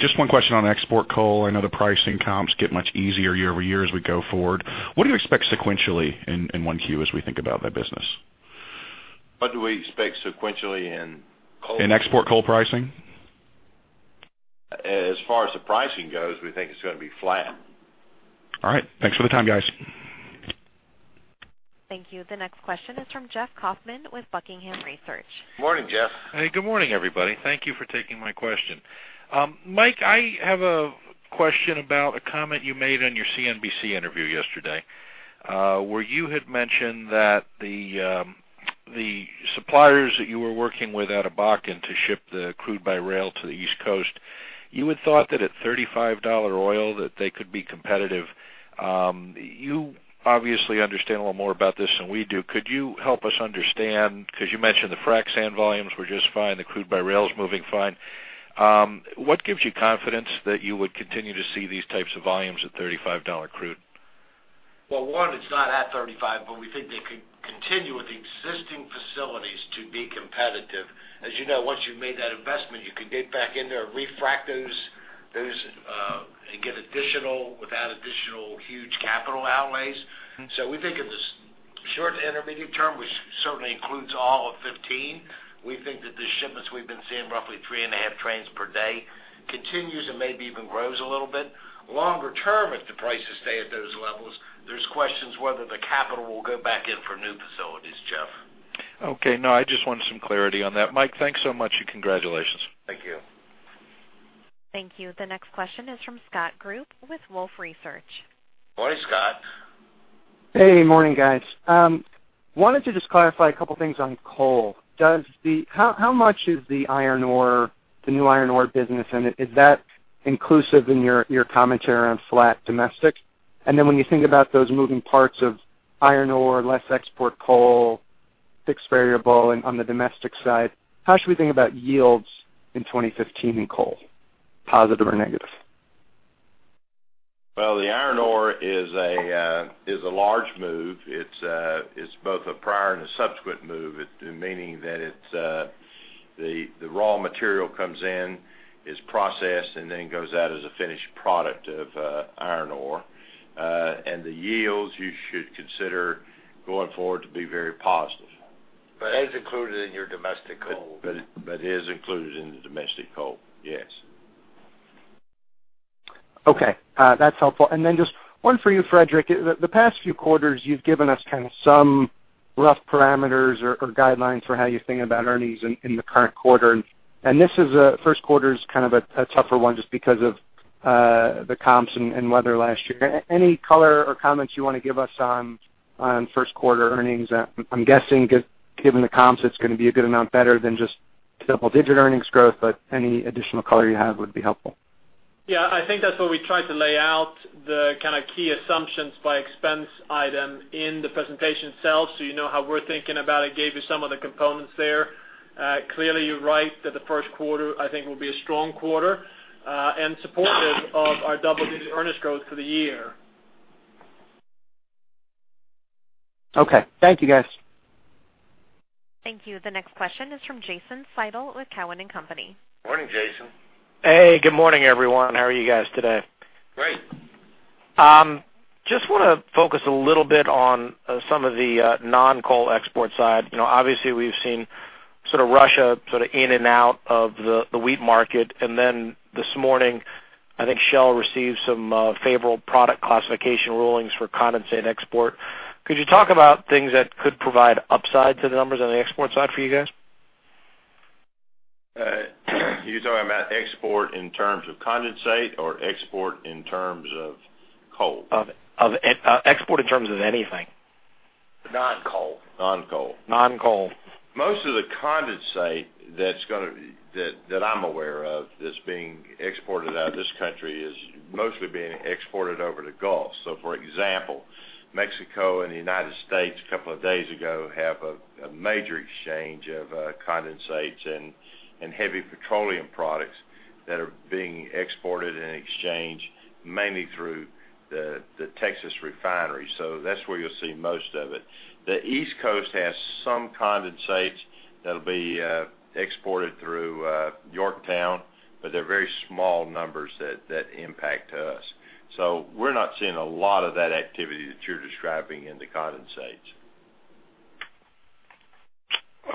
Just one question on export coal. I know the pricing comps get much easier year-over-year as we go forward. What do you expect sequentially in Q1 as we think about that business? What do we expect sequentially in coal? In export coal pricing? As far as the pricing goes, we think it's going to be flat. All right. Thanks for the time, guys. Thank you. The next question is from Jeff Kauffman with Buckingham Research. Morning, Jeff. Hey. Good morning, everybody. Thank you for taking my question. Mike, I have a question about a comment you made on your CNBC interview yesterday where you had mentioned that the suppliers that you were working with out of Bakken to ship the crude by rail to the East Coast, you had thought that at $35 oil that they could be competitive. You obviously understand a little more about this than we do. Could you help us understand because you mentioned the frac sand volumes were just fine. The crude by rail's moving fine. What gives you confidence that you would continue to see these types of volumes at $35 crude? Well, one, it's not at 35, but we think they could continue with existing facilities to be competitive. As you know, once you've made that investment, you can get back in there and refrac those and get additional without additional huge capital outlays. So we think in the short to intermediate term, which certainly includes all of 2015, we think that the shipments we've been seeing roughly 3.5 trains per day continues and maybe even grows a little bit. Longer term, if the prices stay at those levels, there's questions whether the capital will go back in for new facilities, Jeff. Okay. No, I just wanted some clarity on that. Mike, thanks so much and congratulations. Thank you. Thank you. The next question is from Scott Group with Wolfe Research. Morning, Scott. Hey. Morning, guys. Wanted to just clarify a couple of things on coal. How much is the new iron ore business? And is that inclusive in your commentary on flat domestic? And then when you think about those moving parts of iron ore, less export coal, fixed variable, and on the domestic side, how should we think about yields in 2015 in coal, positive or negative? Well, the iron ore is a large move. It's both a prior and a subsequent move, meaning that the raw material comes in, is processed, and then goes out as a finished product of iron ore. And the yields you should consider going forward to be very positive. But it's included in your domestic coal. But it is included in the domestic coal. Yes. Okay. That's helpful. And then just one for you, Fredrik. The past few quarters, you've given us kind of some rough parameters or guidelines for how you think about earnings in the current quarter. This first quarter's kind of a tougher one just because of the comps and weather last year. Any color or comments you want to give us on first quarter earnings? I'm guessing given the comps, it's going to be a good amount better than just double-digit earnings growth, but any additional color you have would be helpful. Yeah. I think that's what we tried to lay out, the kind of key assumptions by expense item in the presentation itself so you know how we're thinking about it, gave you some of the components there. Clearly, you're right that the first quarter, I think, will be a strong quarter and supportive of our double-digit earnings growth for the year. Okay. Thank you, guys. Thank you. The next question is from Jason Seidl with Cowen & Company. Morning, Jason. Hey. Good morning, everyone. How are you guys today? Great. Just want to focus a little bit on some of the non-coal export side. Obviously, we've seen sort of Russia sort of in and out of the wheat market. And then this morning, I think Shell received some favorable product classification rulings for condensate export. Could you talk about things that could provide upside to the numbers on the export side for you guys? All right. You're talking about export in terms of condensate or export in terms of coal? Of export in terms of anything. Non-coal. Non-coal. Non-coal. Most of the condensate that I'm aware of that's being exported out of this country is mostly being exported over to Gulf. So for example, Mexico and the United States a couple of days ago have a major exchange of condensates and heavy petroleum products that are being exported and exchanged mainly through the Texas refineries. So that's where you'll see most of it. The East Coast has some condensates that'll be exported through Yorktown, but they're very small numbers that impact us. So we're not seeing a lot of that activity that you're describing in the condensates.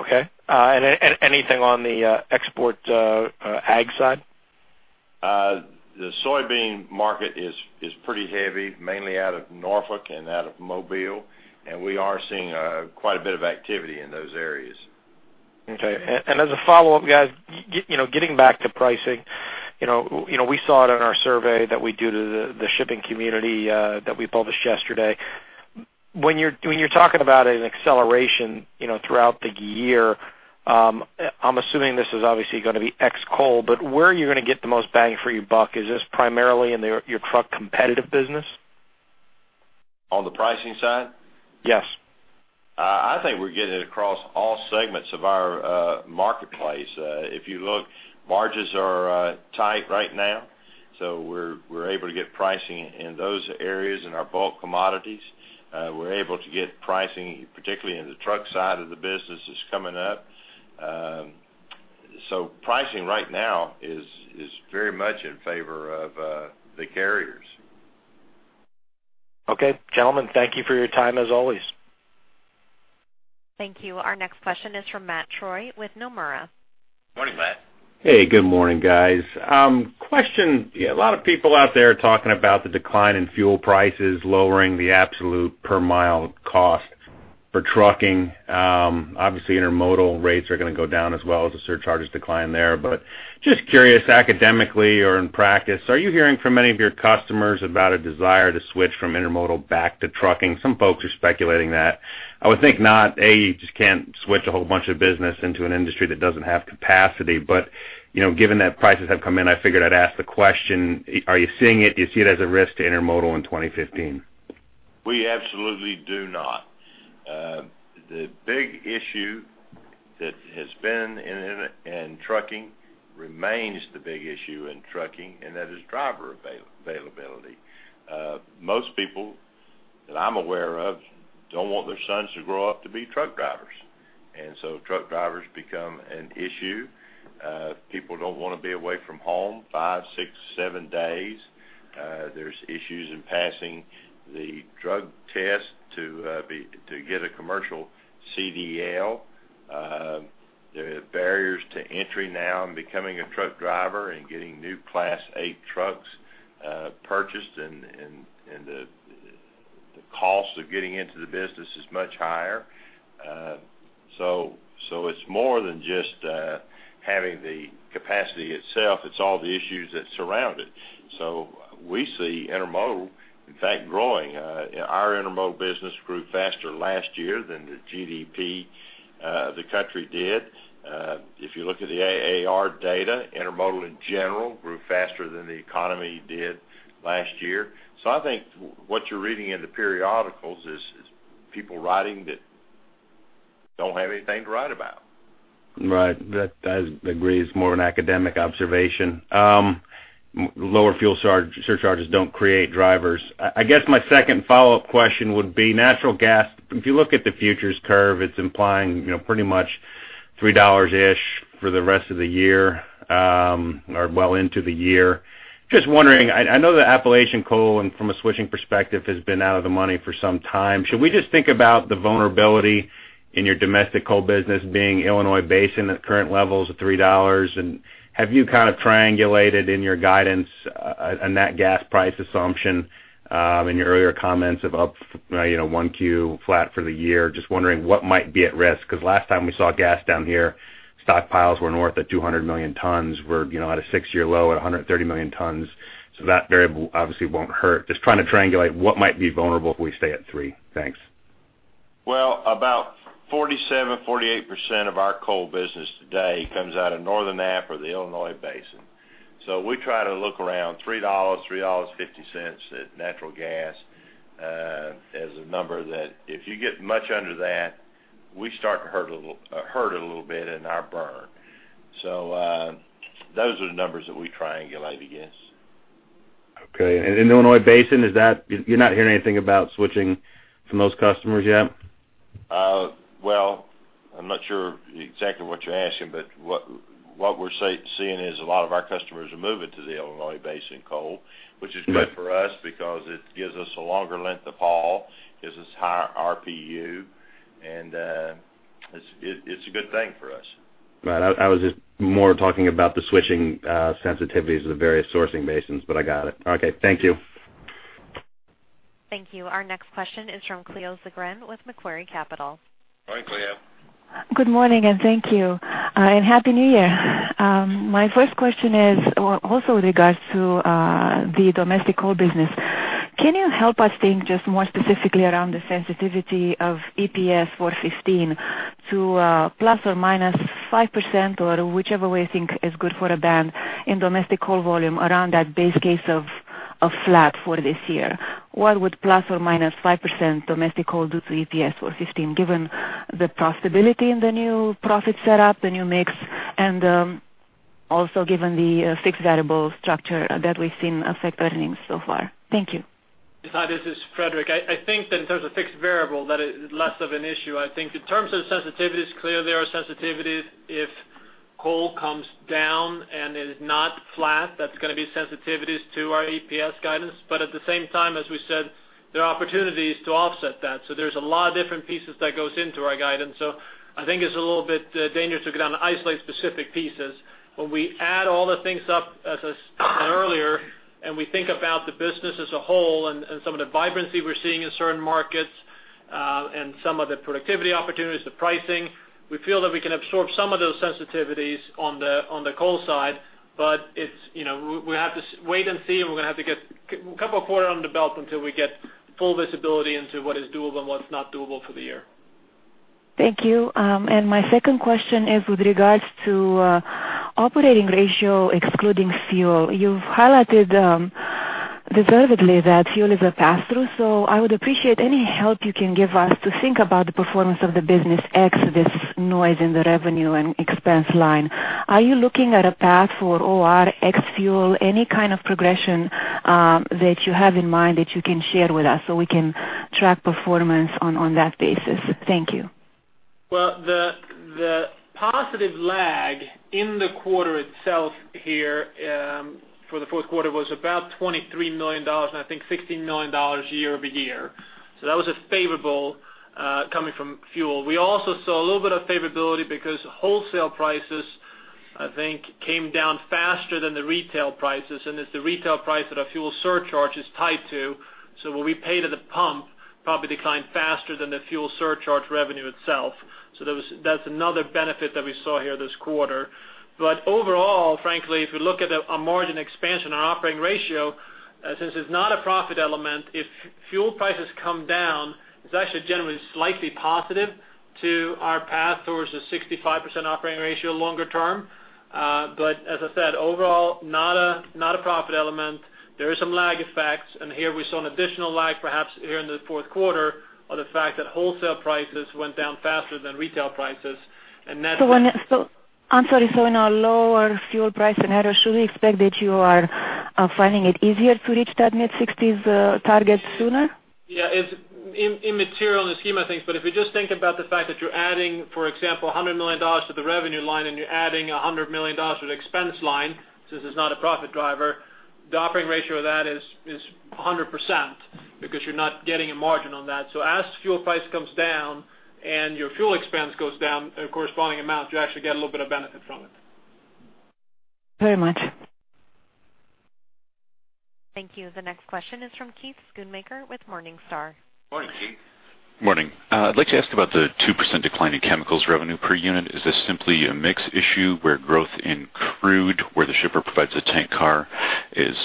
Okay. And anything on the export Ag side? The soybean market is pretty heavy, mainly out of Norfolk and out of Mobile. And we are seeing quite a bit of activity in those areas. Okay. And as a follow-up, guys, getting back to pricing, we saw it in our survey that we do to the shipping community that we published yesterday. When you're talking about an acceleration throughout the year, I'm assuming this is obviously going to be ex-coal, but where are you going to get the most bang for your buck? Is this primarily in your truck competitive business? On the pricing side? Yes. I think we're getting it across all segments of our marketplace. If you look, margins are tight right now. So we're able to get pricing in those areas in our bulk commodities. We're able to get pricing, particularly in the truck side of the business that's coming up. So pricing right now is very much in favor of the carriers. Okay. Gentlemen, thank you for your time as always. Thank you. Our next question is from Matt Troy with Nomura. Morning, Matt. Hey. Good morning, guys. A lot of people out there talking about the decline in fuel prices lowering the absolute per-mile cost for trucking. Obviously, Intermodal rates are going to go down as well as the surcharge is declining there. But just curious, academically or in practice, are you hearing from any of your customers about a desire to switch from Intermodal back to trucking? Some folks are speculating that. I would think not. A, you just can't switch a whole bunch of business into an industry that doesn't have capacity. But given that prices have come in, I figured I'd ask the question, are you seeing it? Do you see it as a risk to Intermodal in 2015? We absolutely do not. The big issue that has been in trucking remains the big issue in trucking, and that is driver availability. Most people that I'm aware of don't want their sons to grow up to be truck drivers. And so truck drivers become an issue. People don't want to be away from home 5, 6, 7 days. There's issues in passing the drug test to get a commercial CDL. There are barriers to entry now in becoming a truck driver and getting new Class 8 trucks purchased. And the cost of getting into the business is much higher. So it's more than just having the capacity itself. It's all the issues that surround it. So we see Intermodal, in fact, growing. Our Intermodal business grew faster last year than the GDP the country did. If you look at the AAR data, Intermodal in general grew faster than the economy did last year. So I think what you're reading in the periodicals is people writing that don't have anything to write about. Right. I agree. It's more of an academic observation. Lower fuel surcharges don't create drivers. I guess my second follow-up question would be natural gas. If you look at the futures curve, it's implying pretty much $3-ish for the rest of the year or well into the year. I know that Appalachian coal, from a switching perspective, has been out of the money for some time. Should we just think about the vulnerability in your domestic coal business being Illinois Basin at current levels of $3? And have you kind of triangulated in your guidance a nat gas price assumption in your earlier comments of up Q1 flat for the year? Just wondering what might be at risk because last time we saw gas down here, stockpiles were north at 200 million tons. We're at a six-year low at 130 million tons. So that variable obviously won't hurt. Just trying to triangulate what might be vulnerable if we stay at $3. Thanks. Well, about 47%-48% of our coal business today comes out of Northern Appalachia or the Illinois Basin. So we try to look around $3-$3.50 at natural gas as a number that if you get much under that, we start to hurt a little bit in our burn. So those are the numbers that we triangulate, I guess. Okay. And in Illinois Basin, you're not hearing anything about switching from those customers yet? Well, I'm not sure exactly what you're asking, but what we're seeing is a lot of our customers are moving to the Illinois Basin coal, which is good for us because it gives us a longer length of haul, gives us higher RPU, and it's a good thing for us. Right. I was just more talking about the switching sensitivities of the various sourcing basins, but I got it. Okay. Thank you. Thank you. Our next question is from Cleo Zagrean with Macquarie Capital. Morning, Cleo. Good morning and thank you. And happy new year. My first question is also with regards to the domestic coal business. Can you help us think just more specifically around the sensitivity of EPS for 2015 to ±5% or whichever way you think is good for a band in domestic coal volume around that base case of flat for this year? What would ±5% domestic coal do to EPS for 2015 given the profitability in the new profit setup, the new mix, and also given the fixed variable structure that we've seen affect earnings so far? Thank you. This is Fredrik. I think that in terms of fixed variable, that is less of an issue. I think in terms of sensitivities, clearly there are sensitivities. If coal comes down and is not flat, that's going to be sensitivities to our EPS guidance. But at the same time, as we said, there are opportunities to offset that. So there's a lot of different pieces that go into our guidance. So I think it's a little bit dangerous to go down and isolate specific pieces. When we add all the things up as I said earlier and we think about the business as a whole and some of the vibrancy we're seeing in certain markets and some of the productivity opportunities, the pricing, we feel that we can absorb some of those sensitivities on the coal side. But we have to wait and see, and we're going to have to get a couple of quarters under the belt until we get full visibility into what is doable and what's not doable for the year. Thank you. And my second question is with regards to operating ratio excluding fuel. You've highlighted deservedly that fuel is a pass-through. So I would appreciate any help you can give us to think about the performance of the business ex this noise in the revenue and expense line. Are you looking at a path for OR, ex-fuel, any kind of progression that you have in mind that you can share with us so we can track performance on that basis? Thank you. Well, the positive lag in the quarter itself here for the fourth quarter was about $23 million, and I think $16 million year-over-year. So that was favorable coming from fuel. We also saw a little bit of favorability because wholesale prices, I think, came down faster than the retail prices. And it's the retail price that our fuel surcharge is tied to. So what we paid at the pump probably declined faster than the fuel surcharge revenue itself. So that's another benefit that we saw here this quarter. But overall, frankly, if you look at a margin expansion on operating ratio, since it's not a profit element, if fuel prices come down, it's actually generally slightly positive to our path towards a 65% operating ratio longer term. But as I said, overall, not a profit element. There are some lag effects. And here we saw an additional lag perhaps here in the fourth quarter of the fact that wholesale prices went down faster than retail prices. And that's. So I'm sorry. So in a lower fuel price scenario, should we expect that you are finding it easier to reach that mid-60s target sooner? Yeah. It's immaterial in the scheme of things. But if you just think about the fact that you're adding, for example, $100 million to the revenue line and you're adding $100 million to the expense line since it's not a profit driver, the operating ratio of that is 100% because you're not getting a margin on that. So as fuel price comes down and your fuel expense goes down a corresponding amount, you actually get a little bit of benefit from it. Very much. Thank you. The next question is from Keith Schoonmaker with Morningstar. Morning, Keith. Morning. I'd like to ask about the 2% decline in chemicals revenue per unit. Is this simply a mix issue where growth in crude, where the shipper provides a tank car, is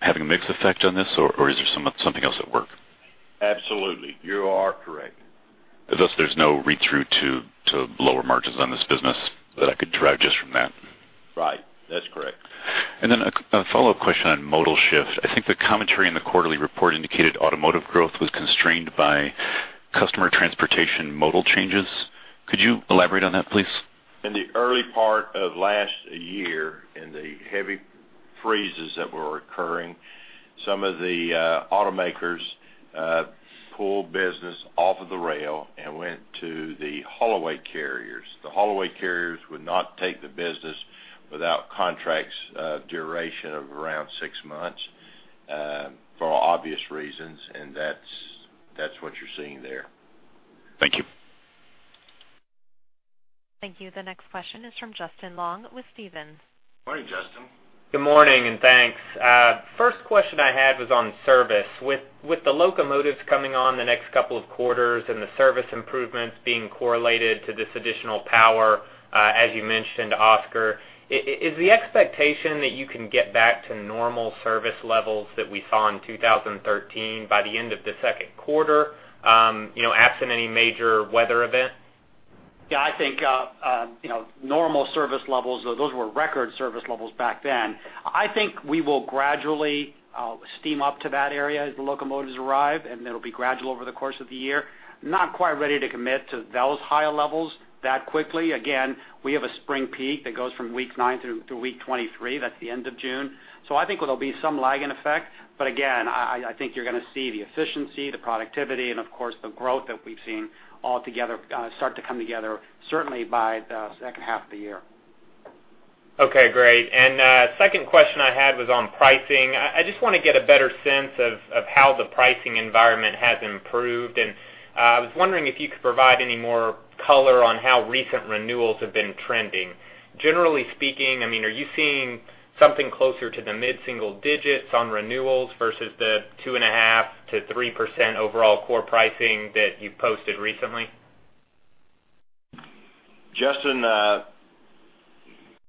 having a mixed effect on this, or is there something else at work? Absolutely. You are correct. Thus, there's no read-through to lower margins on this business that I could derive just from that. Right. That's correct. And then a follow-up question on modal shift. I think the commentary in the quarterly report indicated automotive growth was constrained by customer transportation modal changes. Could you elaborate on that, please? In the early part of last year and the heavy freezes that were occurring, some of the automakers pulled business off of the rail and went to the haulaway carriers. The haulaway carriers would not take the business without contracts' duration of around 6 months for obvious reasons. That's what you're seeing there. Thank you. Thank you. The next question is from Justin Long with Stephens. Morning, Justin. Good morning and thanks. First question I had was on service. With the locomotives coming on the next couple of quarters and the service improvements being correlated to this additional power, as you mentioned, Oscar, is the expectation that you can get back to normal service levels that we saw in 2013 by the end of the second quarter absent any major weather event? Yeah. I think normal service levels, those were record service levels back then. I think we will gradually steam up to that area as the locomotives arrive, and it'll be gradual over the course of the year. Not quite ready to commit to those high levels that quickly. Again, we have a spring peak that goes from week 9 through week 23. That's the end of June. So I think there'll be some lagging effect. But again, I think you're going to see the efficiency, the productivity, and of course, the growth that we've seen all together start to come together certainly by the second half of the year. Okay. Great. And second question I had was on pricing. I just want to get a better sense of how the pricing environment has improved. And I was wondering if you could provide any more color on how recent renewals have been trending. Generally speaking, I mean, are you seeing something closer to the mid-single digits on renewals versus the 2.5%-3% overall core pricing that you've posted recently? Justin,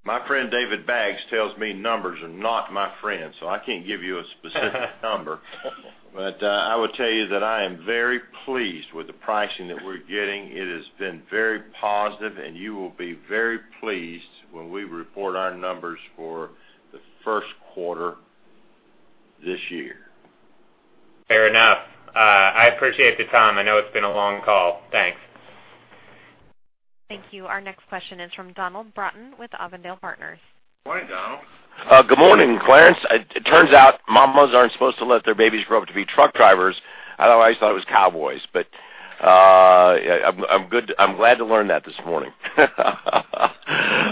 my friend David Baggs tells me numbers are not my friend, so I can't give you a specific number. But I would tell you that I am very pleased with the pricing that we're getting. It has been very positive, and you will be very pleased when we report our numbers for the first quarter this year. Fair enough. I appreciate the time. I know it's been a long call. Thanks. Thank you. Our next question is from Donald Broughton with Avondale Partners. Morning, Donald. Good morning, Clarence. It turns out mamas aren't supposed to let their babies grow up to be truck drivers. Otherwise, I thought it was cowboys. But I'm glad to learn that this morning.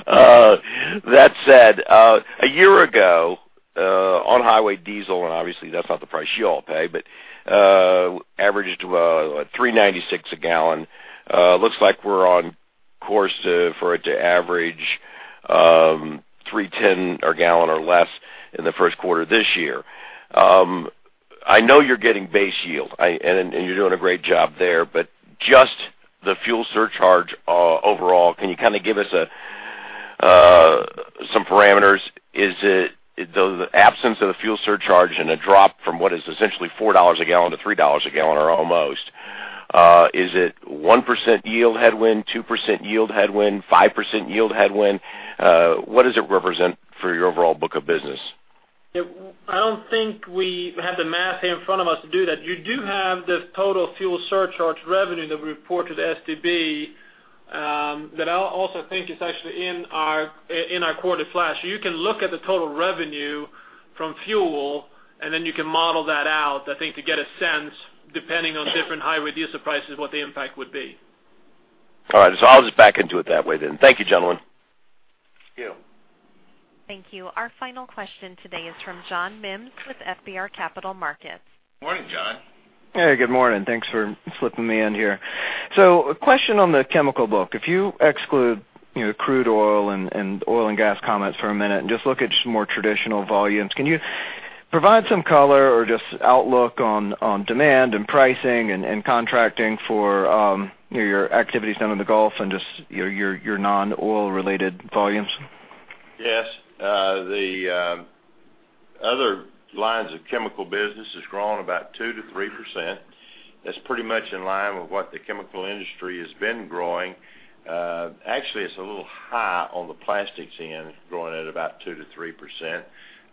That said, a year ago on highway diesel - and obviously, that's not the price you all pay - but averaged $3.96 a gallon. Looks like we're on course for it to average $3.10 a gallon or less in the first quarter this year. I know you're getting base yield, and you're doing a great job there. But just the fuel surcharge overall, can you kind of give us some parameters? Is it the absence of the fuel surcharge and a drop from what is essentially $4-$3 a gallon or almost? Is it 1% yield headwind, 2% yield headwind, 5% yield headwind? What does it represent for your overall book of business? Yeah. I don't think we have the math here in front of us to do that. You do have the total fuel surcharge revenue that we report to the SEC that I also think is actually in our quarterly flash. So you can look at the total revenue from fuel, and then you can model that out, I think, to get a sense depending on different highway diesel prices, what the impact would be. All right. So I'll just back into it that way then. Thank you, gentlemen. Thank you. Our final question today is from John Mims with FBR Capital Markets. Morning, John. Hey. Good morning. Thanks for slipping me in here. A question on the chemical book. If you exclude crude oil and oil and gas comments for a minute and just look at just more traditional volumes, can you provide some color or just outlook on demand and pricing and contracting for your activities down in the Gulf and just your non-oil-related volumes? Yes. The other lines of chemical business has grown about 2%-3%. That's pretty much in line with what the chemical industry has been growing. Actually, it's a little high on the plastics end, growing at about 2%-3%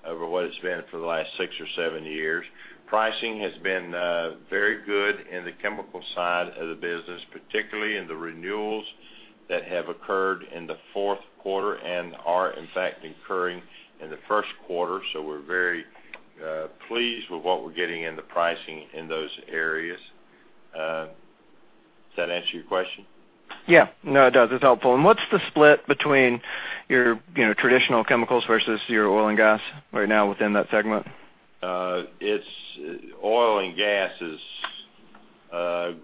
over what it's been for the last six or seven years. Pricing has been very good in the chemical side of the business, particularly in the renewals that have occurred in the fourth quarter and are, in fact, occurring in the first quarter. So we're very pleased with what we're getting in the pricing in those areas. Does that answer your question? Yeah. No, it does. It's helpful. And what's the split between your traditional chemicals versus your oil and gas right now within that segment? Oil and gas is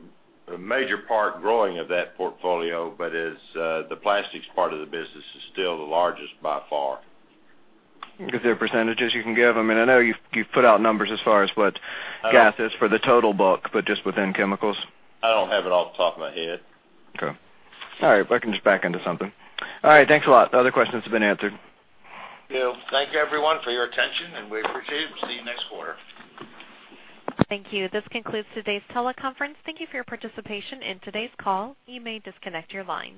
a major part growing of that portfolio, but the plastics part of the business is still the largest by far. Is there percentages you can give? I mean, I know you've put out numbers as far as what gas is for the total book, but just within chemicals. I don't have it off the top of my head. Okay. All right. If I can just back into something. All right. Thanks a lot. Other questions have been answered. Yeah. Thank you, everyone, for your attention, and we appreciate it. We'll see you next quarter. Thank you. This concludes today's teleconference. Thank you for your participation in today's call. You may disconnect your line.